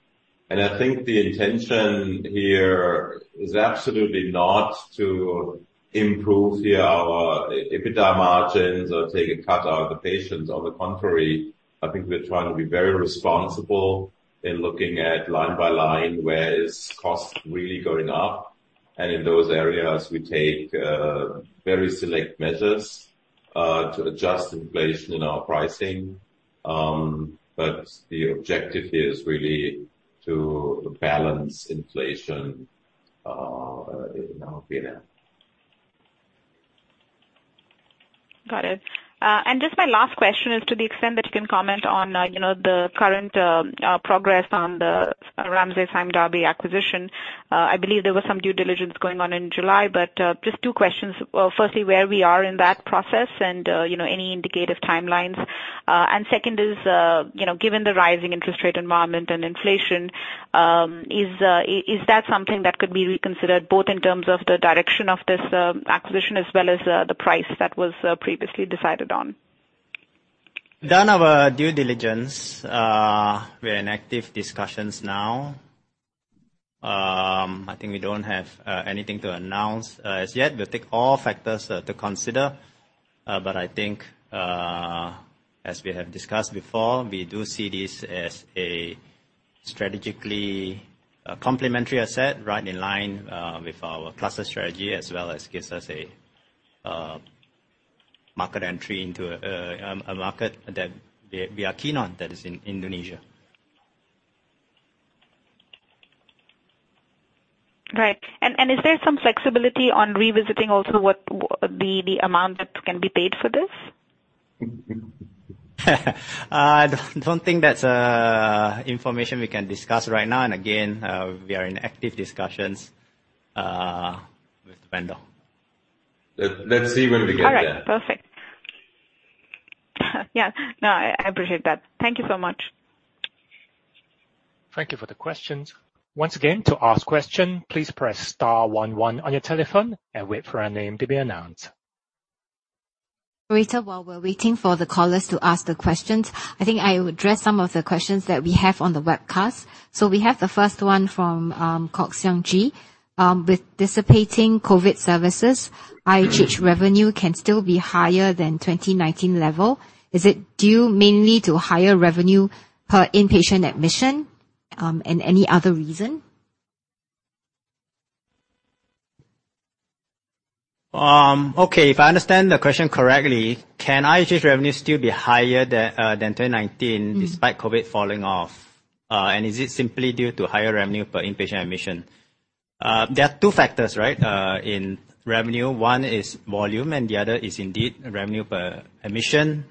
I think the intention here is absolutely not to improve here our EBITDA margins or take a cut out of the patients. On the contrary, I think we're trying to be very responsible in looking at line by line where is cost really going up. In those areas, we take very select measures to adjust inflation in our pricing. The objective here is really to balance inflation in our P&L. Got it. Just my last question is to the extent that you can comment on, you know, the current progress on the Ramsay Sime Darby acquisition. I believe there was some due diligence going on in July, but just two questions. Firstly, where we are in that process and, you know, any indicative timelines. Second is, you know, given the rising interest rate environment and inflation, is that something that could be reconsidered both in terms of the direction of this acquisition as well as the price that was previously decided on? Done our due diligence. We're in active discussions now. I think we don't have anything to announce as yet. We'll take all factors to consider. I think, as we have discussed before, we do see this as a strategically complementary asset right in line with our cluster strategy, as well as gives us a market entry into a market that we are keen on, that is in Indonesia. Right. Is there some flexibility on revisiting also what the amount that can be paid for this? Don't think that's information we can discuss right now. Again, we are in active discussions with the vendor. Let's see when we get there. All right. Perfect. Yeah. No, I appreciate that. Thank you so much. Thank you for the questions. Once again, to ask question, please press star one one on your telephone and wait for your name to be announced. Rita, while we're waiting for the callers to ask the questions, I think I will address some of the questions that we have on the webcast. We have the first one from Kok Seong Gee. With dissipating COVID services, IHH revenue can still be higher than 2019 level. Is it due mainly to higher revenue per inpatient admission, and any other reason? Okay, if I understand the question correctly, can IHH revenue still be higher than 2019? Mm-hmm ...despite COVID falling off? Is it simply due to higher revenue per inpatient admission? There are two factors, right, in revenue. One is volume, and the other is indeed revenue per admission.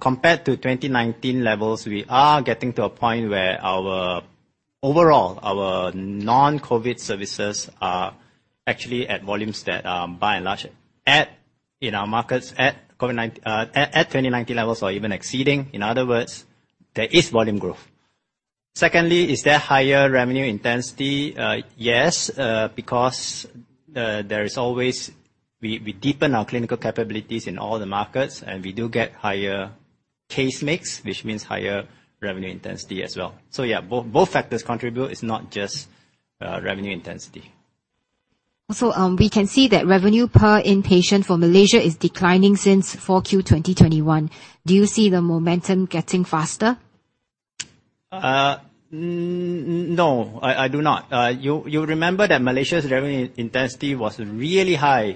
Compared to 2019 levels, we are getting to a point where our overall, our non-COVID services are actually at volumes that, by and large, in our markets, at 2019 levels or even exceeding. In other words, there is volume growth. Secondly, is there higher revenue intensity? Yes, because there is always. We deepen our clinical capabilities in all the markets, and we do get higher case mix, which means higher revenue intensity as well. Yeah, both factors contribute. It's not just revenue intensity. We can see that revenue per inpatient for Malaysia is declining since Q4 2021. Do you see the momentum getting faster? No, I do not. You'll remember that Malaysia's revenue intensity was really high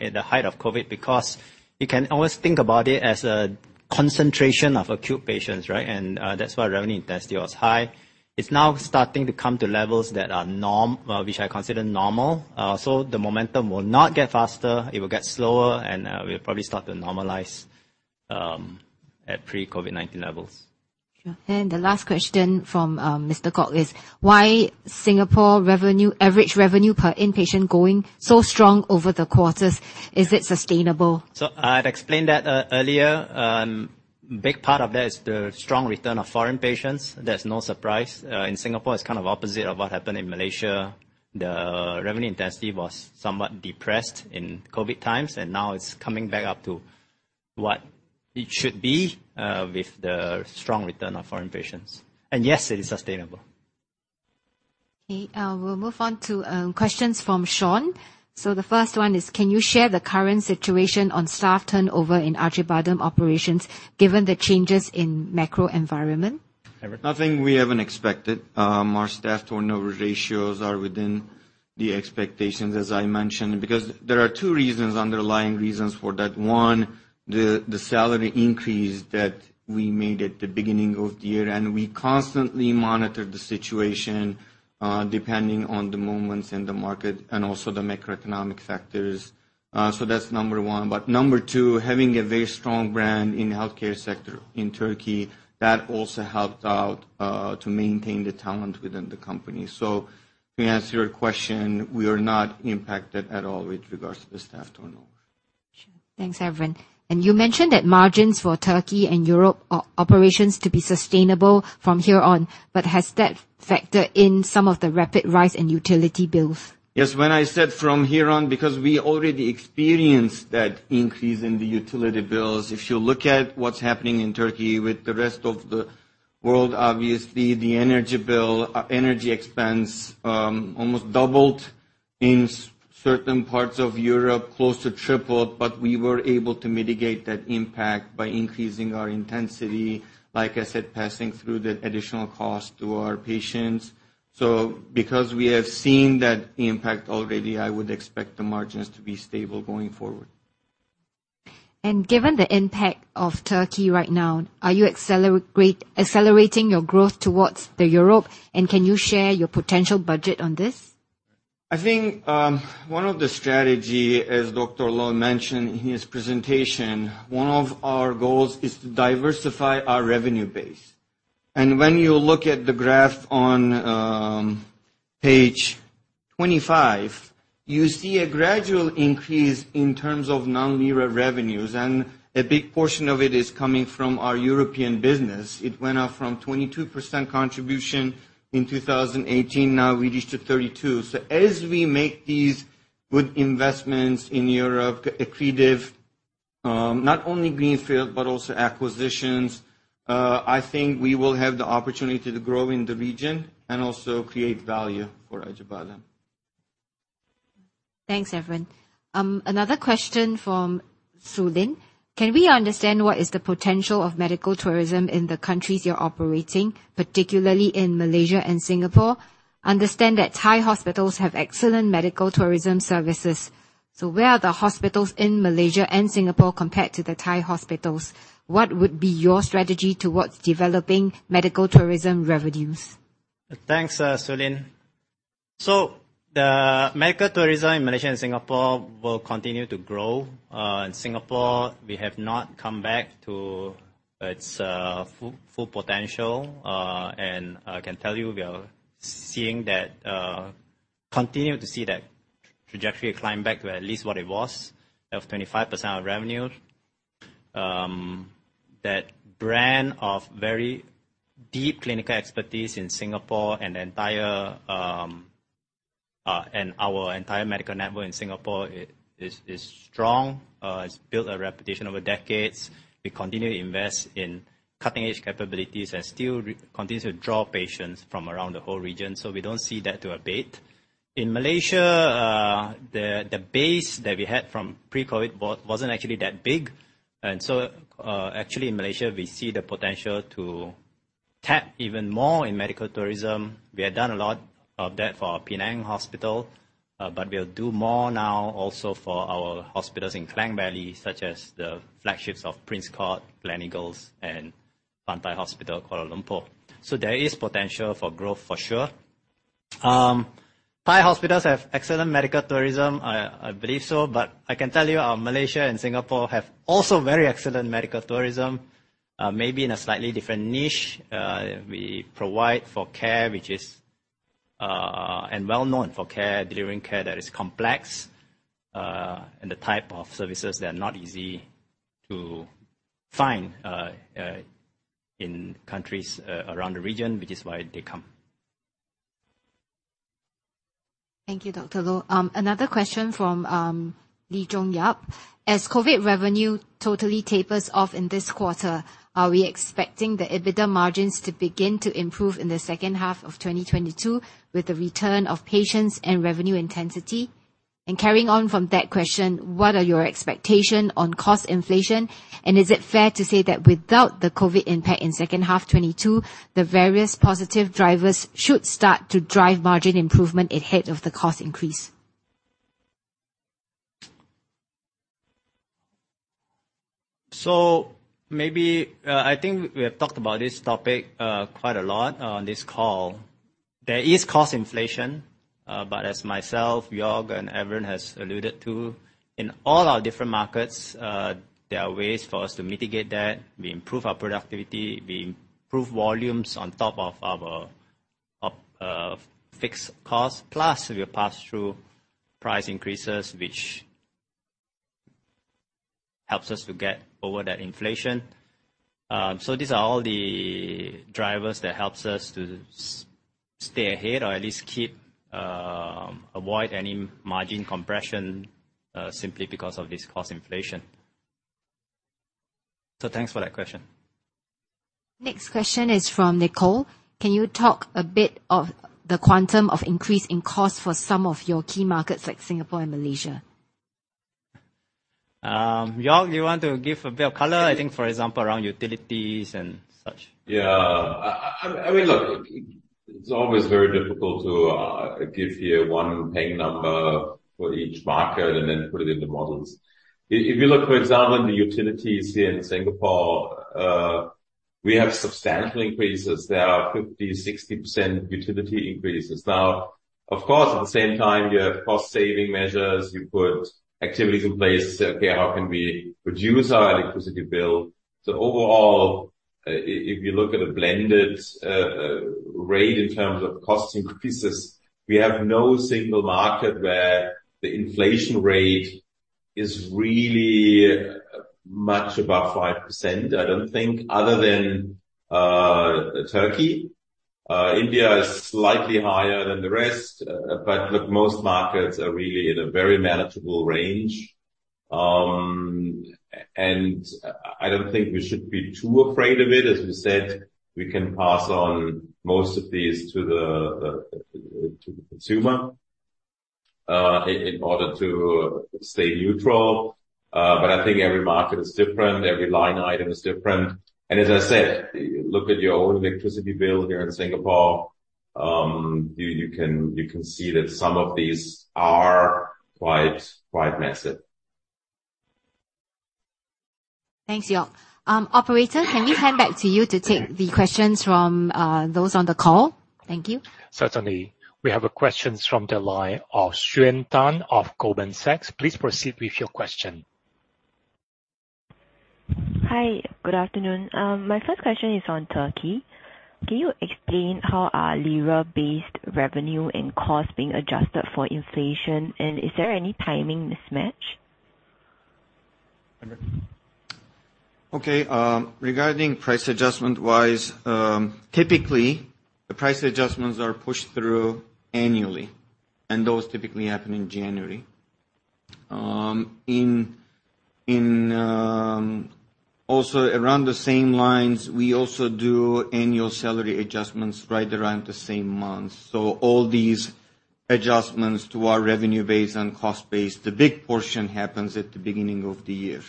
at the height of COVID because you can always think about it as a concentration of acute patients, right? That's why revenue intensity was high. It's now starting to come to levels that are normal, which I consider normal. The momentum will not get faster. It will get slower, and we'll probably start to normalize at pre-COVID-19 levels. Sure. The last question from Mr. Kok is why Singapore revenue, average revenue per inpatient going so strong over the quarters? Is it sustainable? I'd explained that earlier. Big part of that is the strong return of foreign patients. There's no surprise. In Singapore, it's kind of opposite of what happened in Malaysia. The revenue intensity was somewhat depressed in COVID times, and now it's coming back up to what it should be, with the strong return of foreign patients. Yes, it is sustainable. Okay. We'll move on to questions from Sean. The first one is, can you share the current situation on staff turnover in Acıbadem operations given the changes in macro environment? Nothing we haven't expected. Our staff turnover ratios are within the expectations as I mentioned because there are two reasons, underlying reasons for that. One, the salary increase that we made at the beginning of the year. We constantly monitor the situation, depending on the movements in the market and also the macroeconomic factors. That's number one. Number two, having a very strong brand in the healthcare sector in Turkey, that also helped out to maintain the talent within the company. To answer your question, we are not impacted at all with regards to the staff turnover. Sure. Thanks, Evren. You mentioned that margins for Turkey and Europe operations to be sustainable from here on, but has that factored in some of the rapid rise in utility bills? Yes. When I said from here on because we already experienced that increase in the utility bills. If you look at what's happening in Turkey with the rest of the world, obviously the energy bill, energy expense, almost doubled. In certain parts of Europe, close to tripled, but we were able to mitigate that impact by increasing our intensity, like I said, passing through the additional cost to our patients. Because we have seen that impact already, I would expect the margins to be stable going forward. Given the impact of Turkey right now, are you accelerating your growth towards Europe, and can you share your potential budget on this? I think, one of the strategy, as Dr. Loh mentioned in his presentation, one of our goals is to diversify our revenue base. When you look at the graph on, page 25, you see a gradual increase in terms of non-lira revenues, and a big portion of it is coming from our European business. It went up from 22% contribution in 2018, now we reached to 32. As we make these good investments in Europe, accretive, not only greenfield but also acquisitions, I think we will have the opportunity to grow in the region and also create value for Acıbadem. Thanks, Evren. Another question from Tsu-Lin. Can we understand what is the potential of medical tourism in the countries you're operating, particularly in Malaysia and Singapore? Understand that Thai hospitals have excellent medical tourism services. Where are the hospitals in Malaysia and Singapore compared to the Thai hospitals? What would be your strategy towards developing medical tourism revenues? Thanks, Tsu-Lin. The medical tourism in Malaysia and Singapore will continue to grow. In Singapore, we have not come back to its full potential. I can tell you, we continue to see that trajectory climb back to at least what it was, of 25% of revenue. That brand of very deep clinical expertise in Singapore and our entire medical network in Singapore is strong, it's built a reputation over decades. We continue to invest in cutting-edge capabilities and still continue to draw patients from around the whole region, so we don't see that to abate. In Malaysia, the base that we had from pre-COVID wasn't actually that big. Actually in Malaysia, we see the potential to tap even more in medical tourism. We have done a lot of that for Pantai Hospital Penang, but we'll do more now also for our hospitals in Klang Valley, such as the flagships of Prince Court Medical Centre, Gleneagles Hospital Kuala Lumpur, and Pantai Hospital Kuala Lumpur. There is potential for growth for sure. Thai hospitals have excellent medical tourism. I believe so, but I can tell you our Malaysia and Singapore have also very excellent medical tourism, maybe in a slightly different niche. We provide care, which is well-known for care, delivering care that is complex, and the type of services that are not easy to find in countries around the region, which is why they come. Thank you, Dr. Loh. Another question from Robert Yap. As COVID revenue totally tapers off in this quarter, are we expecting the EBITDA margins to begin to improve in the second half of 2022 with the return of patients and revenue intensity? And carrying on from that question, what are your expectation on cost inflation? And is it fair to say that without the COVID impact in second half 2022, the various positive drivers should start to drive margin improvement ahead of the cost increase? Maybe, I think we have talked about this topic quite a lot on this call. There is cost inflation, but as myself, Joerg, and everyone has alluded to, in all our different markets, there are ways for us to mitigate that. We improve our productivity, we improve volumes on top of our fixed costs, plus we pass through price increases, which helps us to get over that inflation. These are all the drivers that helps us to stay ahead or at least keep, avoid any margin compression simply because of this cost inflation. Thanks for that question. Next question is from Nicole. Can you talk a bit of the quantum of increase in cost for some of your key markets like Singapore and Malaysia? Joerg, you want to give a bit of color, I think, for example, around utilities and such. Yeah. I mean, look, it's always very difficult to give you one paying number for each market and then put it into models. If you look, for example, in the utilities here in Singapore, we have substantial increases. There are 50%-60% utility increases. Now, of course, at the same time, you have cost saving measures. You put activities in place. Say, "Okay, how can we reduce our electricity bill?" Overall, if you look at a blended rate in terms of cost increases, we have no single market where the inflation rate is really much above 5%, I don't think, other than Turkey. India is slightly higher than the rest. But look, most markets are really in a very manageable range. I don't think we should be too afraid of it. As we said, we can pass on most of these to the consumer in order to stay neutral. I think every market is different, every line item is different. As I said, look at your own electricity bill here in Singapore, you can see that some of these are quite massive. Thanks, Joerg. Operator, can we hand back to you to take the questions from those on the call? Thank you. Certainly. We have a question from the line of Xuan Tan of Goldman Sachs. Please proceed with your question. Hi, good afternoon. My first question is on Turkey. Can you explain how are lira-based revenue and costs being adjusted for inflation, and is there any timing mismatch? Okay. Regarding price adjustment-wise, typically, the price adjustments are pushed through annually, and those typically happen in January. Also around the same lines, we also do annual salary adjustments right around the same months. All these adjustments to our revenue base and cost base, the big portion happens at the beginning of the year.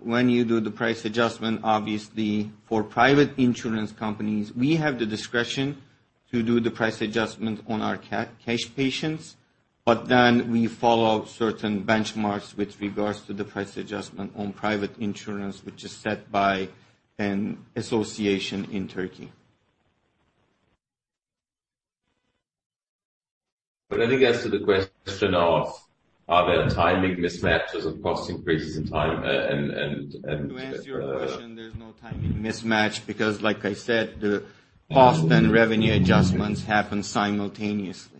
When you do the price adjustment, obviously for private insurance companies, we have the discretion to do the price adjustment on our cash patients. But then we follow certain benchmarks with regards to the price adjustment on private insurance, which is set by an association in Turkey. I think as to the question of are there timing mismatches of cost increases in time, and To answer your question, there's no timing mismatch because like I said, the cost and revenue adjustments happen simultaneously.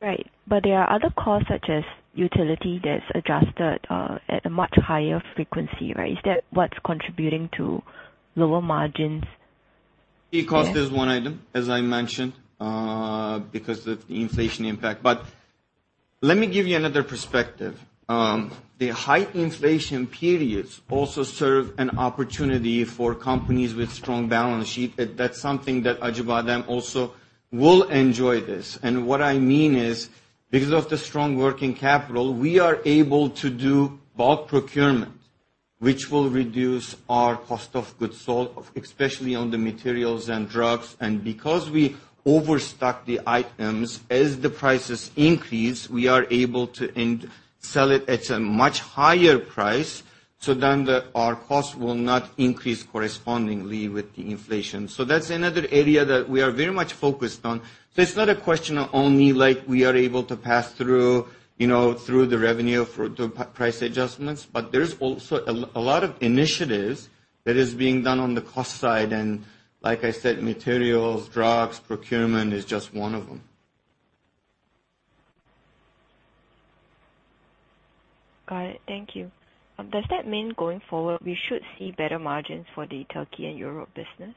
Right. There are other costs such as utility that's adjusted at a much higher frequency, right? Is that what's contributing to lower margins there? Cost is one item, as I mentioned, because of the inflation impact. Let me give you another perspective. The high inflation periods also serve an opportunity for companies with strong balance sheet. That's something that Acıbadem also will enjoy this. What I mean is, because of the strong working capital, we are able to do bulk procurement, which will reduce our cost of goods sold, especially on the materials and drugs. Because we overstock the items, as the prices increase, we are able to sell it at a much higher price, so our cost will not increase correspondingly with the inflation. That's another area that we are very much focused on. It's not a question of only like we are able to pass through, you know, through the revenue for the price adjustments, but there is also a lot of initiatives that is being done on the cost side. Like I said, materials, drugs, procurement is just one of them. Got it. Thank you. Does that mean going forward, we should see better margins for the Turkey and Europe business?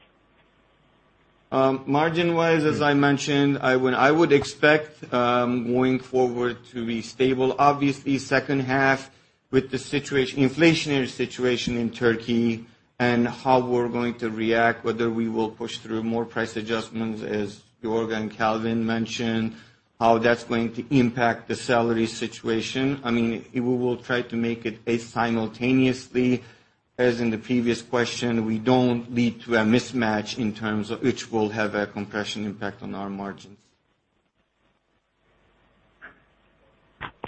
Margin-wise, as I mentioned, I would expect going forward to be stable. Obviously, second half with the inflationary situation in Turkey and how we're going to react, whether we will push through more price adjustments, as Joerg and Kelvin mentioned, how that's going to impact the salary situation. I mean, we will try to make it as simultaneously, as in the previous question, we don't lead to a mismatch in terms of which will have a compression impact on our margins.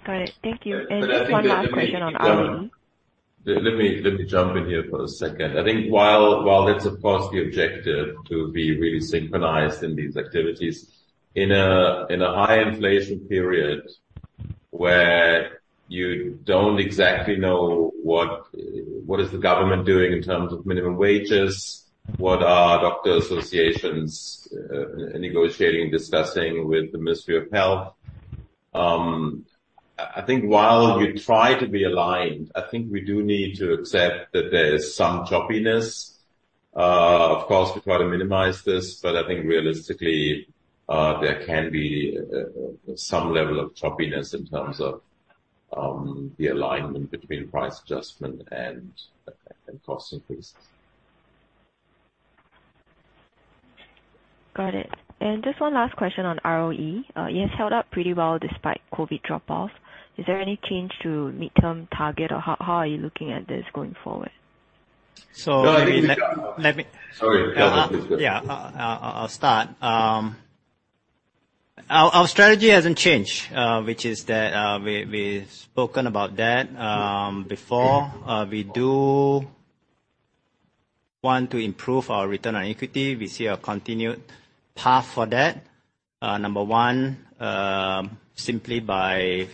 Got it. Thank you. I think that. Just one last question on ROE? Let me jump in here for a second. I think while that's of course the objective to be really synchronized in these activities, in a high inflation period where you don't exactly know what is the government doing in terms of minimum wages, what are doctor associations negotiating, discussing with the Ministry of Health, I think while we try to be aligned, I think we do need to accept that there is some choppiness. Of course, we try to minimize this, but I think realistically, there can be some level of choppiness in terms of the alignment between price adjustment and cost increases. Got it. Just one last question on ROE. It has held up pretty well despite COVID drop off. Is there any change to midterm target or how are you looking at this going forward? Let me No, I think. Let me- Sorry. Go ahead, please. Go. I'll start. Our strategy hasn't changed, which is that, we've spoken about that before. We do want to improve our return on equity. We see a continued path for that. Number one, simply by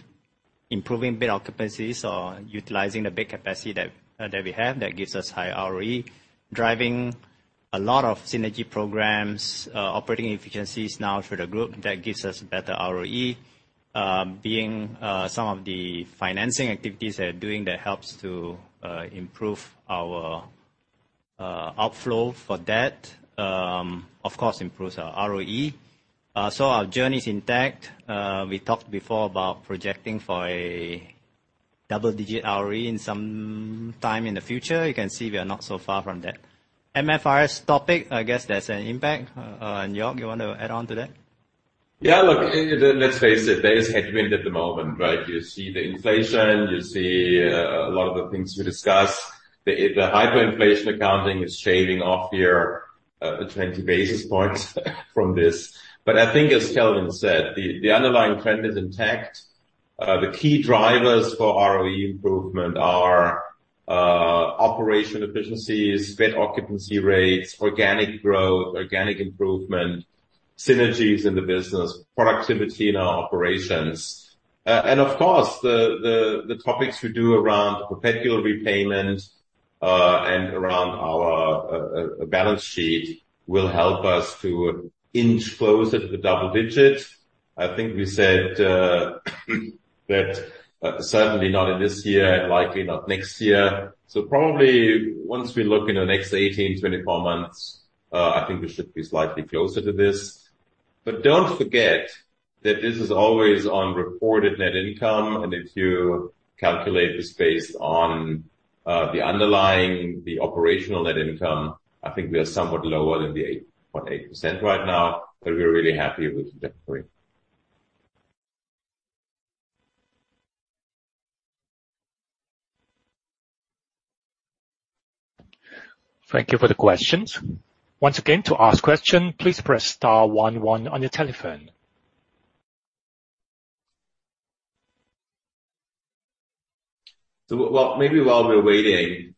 improving bed occupancies or utilizing the bed capacity that we have, that gives us high ROE. Driving a lot of synergy programs, operating efficiencies now through the group, that gives us better ROE. Being some of the financing activities that are doing that helps to improve our outflow for debt, of course improves our ROE. Our journey is intact. We talked before about projecting for a double-digit ROE in some time in the future. You can see we are not so far from that. MFRS topic, I guess there's an impact. Joerg, you want to add on to that? Yeah, look, let's face it, there is headwind at the moment, right? You see the inflation, you see a lot of the things we discussed. The hyperinflation accounting is shaving off here 20 basis points from this. But I think as Kelvin said, the underlying trend is intact. The key drivers for ROE improvement are operational efficiencies, bed occupancy rates, organic growth, organic improvement, synergies in the business, productivity in our operations. Of course, the topics we do around perpetual repayment and around our balance sheet will help us to inch closer to the double digits. I think we said that certainly not in this year and likely not next year. Probably once we look in the next 18, 24 months, I think we should be slightly closer to this. Don't forget that this is always on reported net income, and if you calculate this based on the underlying, the operational net income, I think we are somewhat lower than the 8.8% right now, but we are really happy with the trajectory. Thank you for the questions. Once again, to ask a question, please press star one one on your telephone. Well, maybe while we're waiting,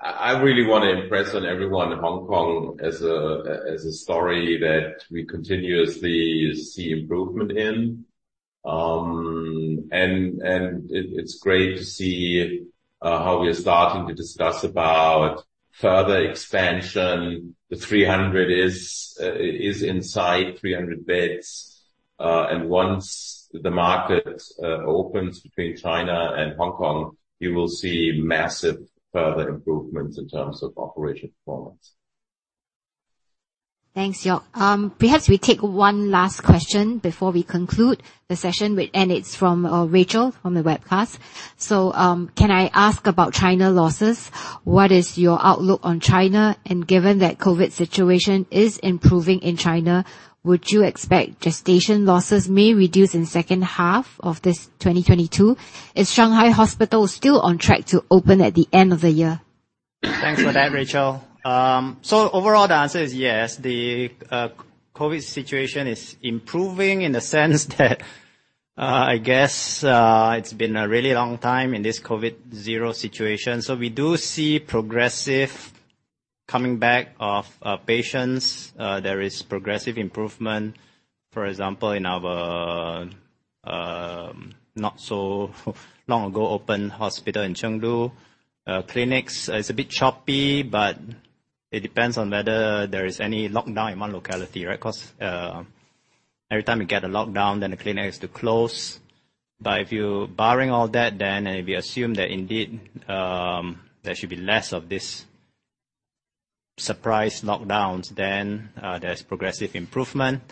I really wanna impress on everyone Hong Kong as a story that we continuously see improvement in. It's great to see how we are starting to discuss about further expansion. The 300 is inside 300 beds. Once the market opens between China and Hong Kong, you will see massive further improvements in terms of operation performance. Thanks, Joerg. Perhaps we take one last question before we conclude the session. It's from Rachel on the webcast. Can I ask about China losses? What is your outlook on China? Given that COVID situation is improving in China, would you expect gestation losses may reduce in second half of this 2022? Is Shanghai Hospital still on track to open at the end of the year? Thanks for that, Rachel. Overall the answer is yes. The COVID situation is improving in the sense that I guess it's been a really long time in this COVID zero situation. We do see progressive coming back of patients. There is progressive improvement, for example, in our not so long ago open hospital in Chengdu. Clinics is a bit choppy, but it depends on whether there is any lockdown in one locality, right? Because every time you get a lockdown, then the clinic has to close. Barring all that then, and if you assume that indeed, there should be less of this surprise lockdowns, then there's progressive improvement.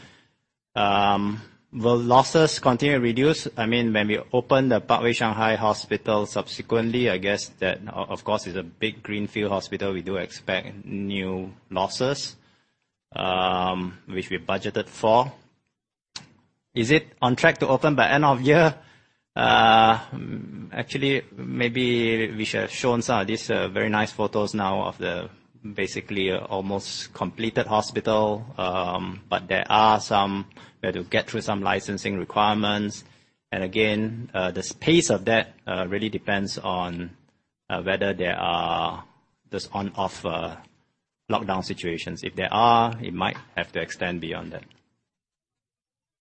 Will losses continue to reduce? I mean, when we open the Parkway Shanghai Hospital, subsequently, I guess that. Of course, it's a big greenfield hospital. We do expect new losses, which we budgeted for. Is it on track to open by end of year? Actually, maybe we should have shown some of these very nice photos now of the basically almost completed hospital. But there are some licensing requirements we have to get through. Again, the pace of that really depends on whether there are this on/off lockdown situations. If there are, it might have to extend beyond that.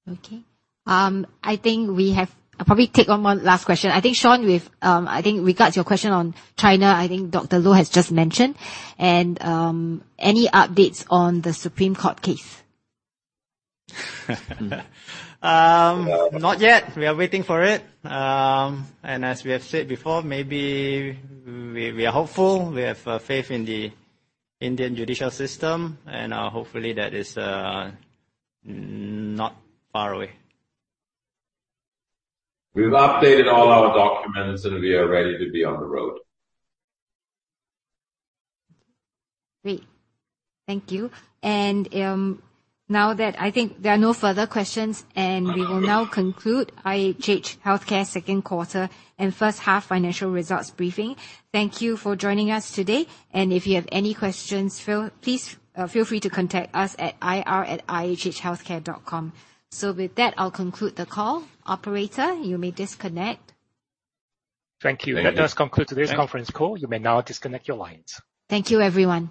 Okay. I think we have. I'll probably take one more last question. I think, Sean, we've, I think regarding your question on China, I think Dr. Loh has just mentioned. Any updates on the Supreme Court case? Not yet. We are waiting for it. As we have said before, maybe we are hopeful. We have faith in the Indian judicial system, and hopefully that is not far away. We've updated all our documents, and we are ready to be on the road. Great. Thank you. Now that I think there are no further questions, we will now conclude IHH Healthcare second quarter and first half financial results briefing. Thank you for joining us today. If you have any questions, please feel free to contact us at ir@ihhhealthcare.com. With that, I'll conclude the call. Operator, you may disconnect. Thank you. Thank you. That does conclude today's conference call. You may now disconnect your lines. Thank you, everyone.